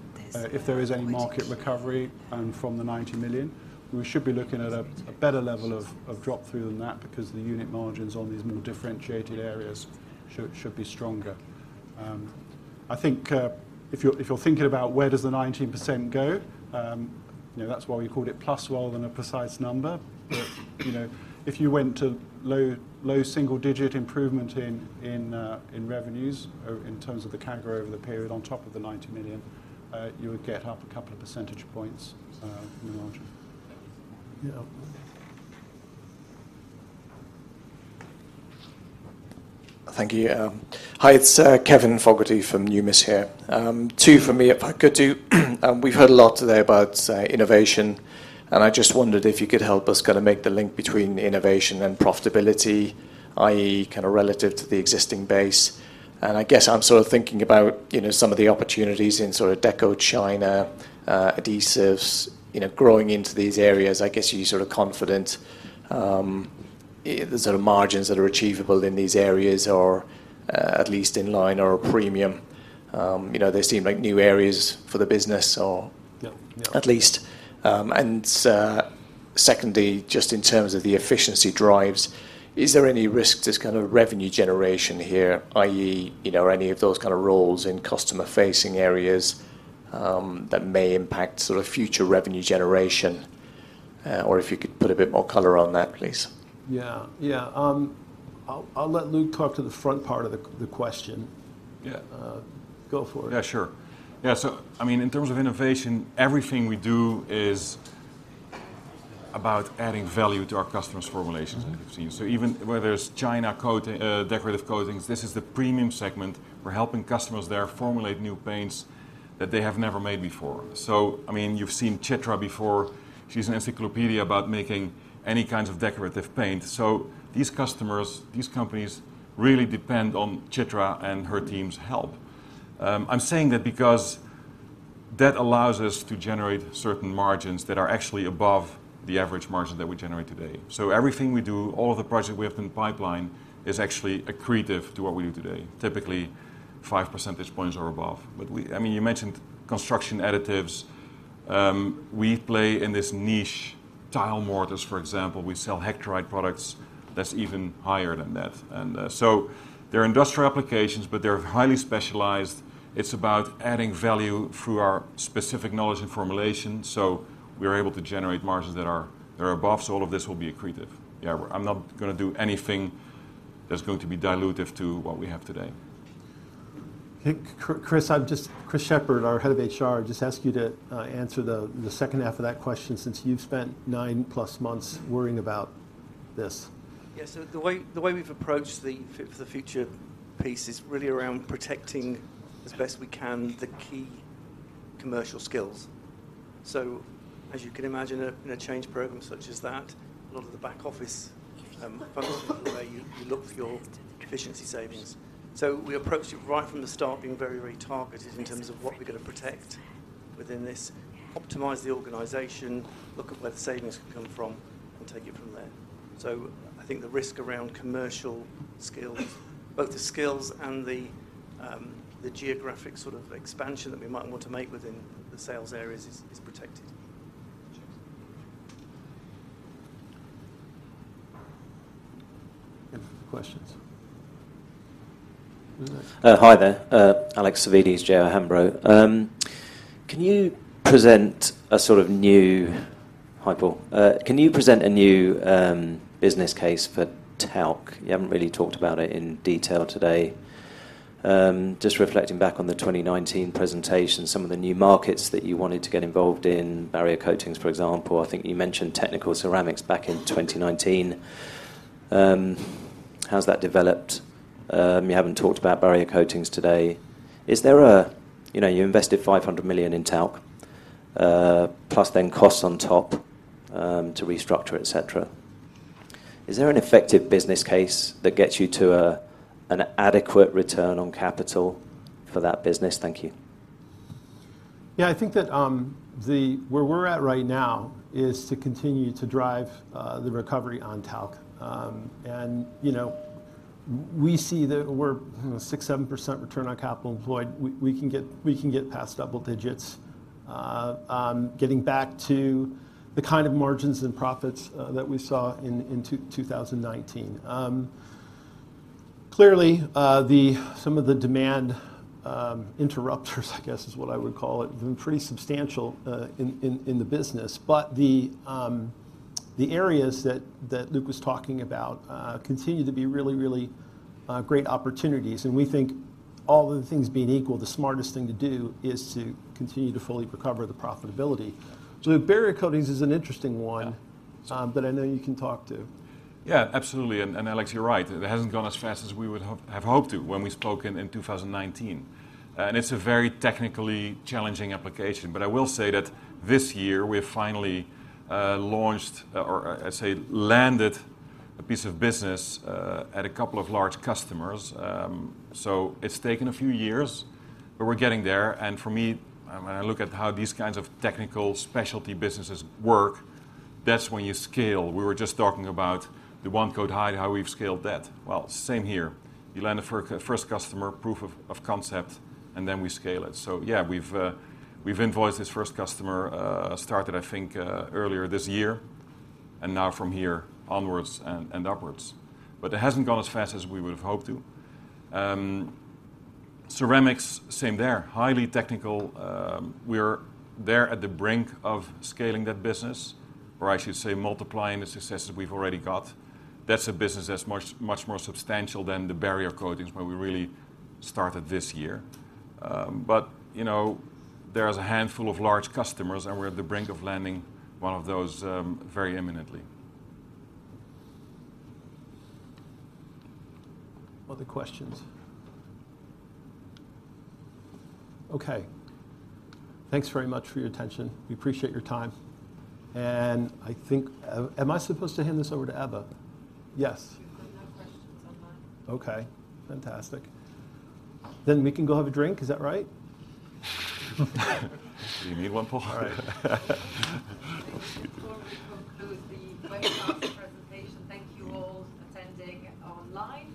if there is any market recovery, and from the 90 million, we should be looking at a better level of drop-through than that because the unit margins on these more differentiated areas should be stronger. I think if you're thinking about where does the 19% go? You know, that's why we called it plus rather than a precise number. But, you know, if you went to low, low single digit improvement in revenues, in terms of the CAGR over the period on top of the 90 million, you would get up a couple of percentage points in the margin. Yeah. Thank you. Hi, it's Kevin Fogarty from Numis here. Two for me, if I could. We've heard a lot today about innovation, and I just wondered if you could help us kinda make the link between innovation and profitability, i.e., kinda relative to the existing base. And I guess I'm sort of thinking about, you know, some of the opportunities in sort of deco China, adhesives, you know, growing into these areas. I guess you're sort of confident, the sort of margins that are achievable in these areas or at least in line or a premium. You know, they seem like new areas for the business or- Yeah. Yeah. At least. And, secondly, just in terms of the efficiency drives, is there any risk to this kind of revenue generation here, i.e., you know, are any of those kind of roles in customer-facing areas that may impact sort of future revenue generation? Or if you could put a bit more color on that, please. Yeah. Yeah. I'll let Luc talk to the front part of the question. Yeah. Go for it. Yeah, sure. Yeah, so I mean, in terms of innovation, everything we do is about adding value to our customers' formulations that we've seen. So even where there's China coating, decorative coatings, this is the premium segment. We're helping customers there formulate new paints that they have never made before. So, I mean, you've seen Chitra before. She's an encyclopedia about making any kinds of decorative paint. So these customers, these companies, really depend on Chitra and her team's help. I'm saying that because that allows us to generate certain margins that are actually above the average margin that we generate today. So everything we do, all of the projects we have in the pipeline, is actually accretive to what we do today. Typically, five percentage points or above. But we—I mean, you mentioned construction additives. We play in this niche tile mortars, for example. We sell hectorite products that's even higher than that. And, so they're industrial applications, but they're highly specialized. It's about adding value through our specific knowledge and formulation, so we are able to generate margins that are above, so all of this will be accretive. Yeah, I'm not gonna do anything that's going to be dilutive to what we have today. Hey, Chris, I'll just... Chris Sheppard, our Head of HR, just ask you to answer the second half of that question, since you've spent nine plus months worrying about this. Yeah, so the way, the way we've approached the Fit for the Future piece is really around protecting, as best we can, the key commercial skills. So as you can imagine, in a change program such as that, a lot of the back office function, the way you, you look for your efficiency savings. So we approached it right from the start, being very, very targeted in terms of what we're gonna protect within this, optimize the organization, look at where the savings can come from, and take it from there. So I think the risk around commercial skills, both the skills and the, the geographic sort of expansion that we might want to make within the sales areas is, is protected. Any questions? Go ahead. Hi there. Alex Savvides, JO Hambro. Hi, Paul. Can you present a new business case for Talc? You haven't really talked about it in detail today. Just reflecting back on the 2019 presentation, some of the new markets that you wanted to get involved in, barrier coatings, for example. I think you mentioned technical ceramics back in 2019. How's that developed? You haven't talked about barrier coatings today. Is there a... You know, you invested $500 million in Talc, plus then costs on top, to restructure, et cetera. Is there an effective business case that gets you to a, an adequate return on capital for that business? Thank you. Yeah, I think that where we're at right now is to continue to drive the recovery on Talc. And, you know, we see that we're, you know, 6%-7% return on capital employed. We, we can get, we can get past double digits. Getting back to the kind of margins and profits that we saw in 2019. Clearly, some of the demand interrupters, I guess is what I would call it, have been pretty substantial in the business. But the areas that Luc was talking about continue to be really, really great opportunities, and we think all other things being equal, the smartest thing to do is to continue to fully recover the profitability. So the barrier coatings is an interesting one- Yeah. that I know you can talk to. Yeah, absolutely, and, and Alex, you're right. It hasn't gone as fast as we would have hoped to when we spoken in 2019. And it's a very technically challenging application, but I will say that this year we have finally launched, or I'd say landed a piece of business at a couple of large customers. So it's taken a few years, but we're getting there, and for me, when I look at how these kinds of technical specialty businesses work, that's when you scale. We were just talking about the one-coat hide, how we've scaled that. Well, same here. You land a first customer, proof-of-concept, and then we scale it. So yeah, we've invoiced this first customer, started, I think, earlier this year, and now from here onwards and upwards. But it hasn't gone as fast as we would have hoped to. Ceramics, same there. Highly technical, we're there at the brink of scaling that business, or I should say, multiplying the successes we've already got. That's a business that's much, much more substantial than the barrier coatings, where we really started this year. But, you know, there is a handful of large customers, and we're at the brink of landing one of those, very imminently. Other questions? Okay. Thanks very much for your attention. We appreciate your time, and I think... Am I supposed to hand this over to Eva? Yes. There are no questions online. Okay, fantastic. Then we can go have a drink, is that right? Do you need one, Paul? All right. We conclude the webcast presentation. Thank you all attending online and in the room. Mm-hmm.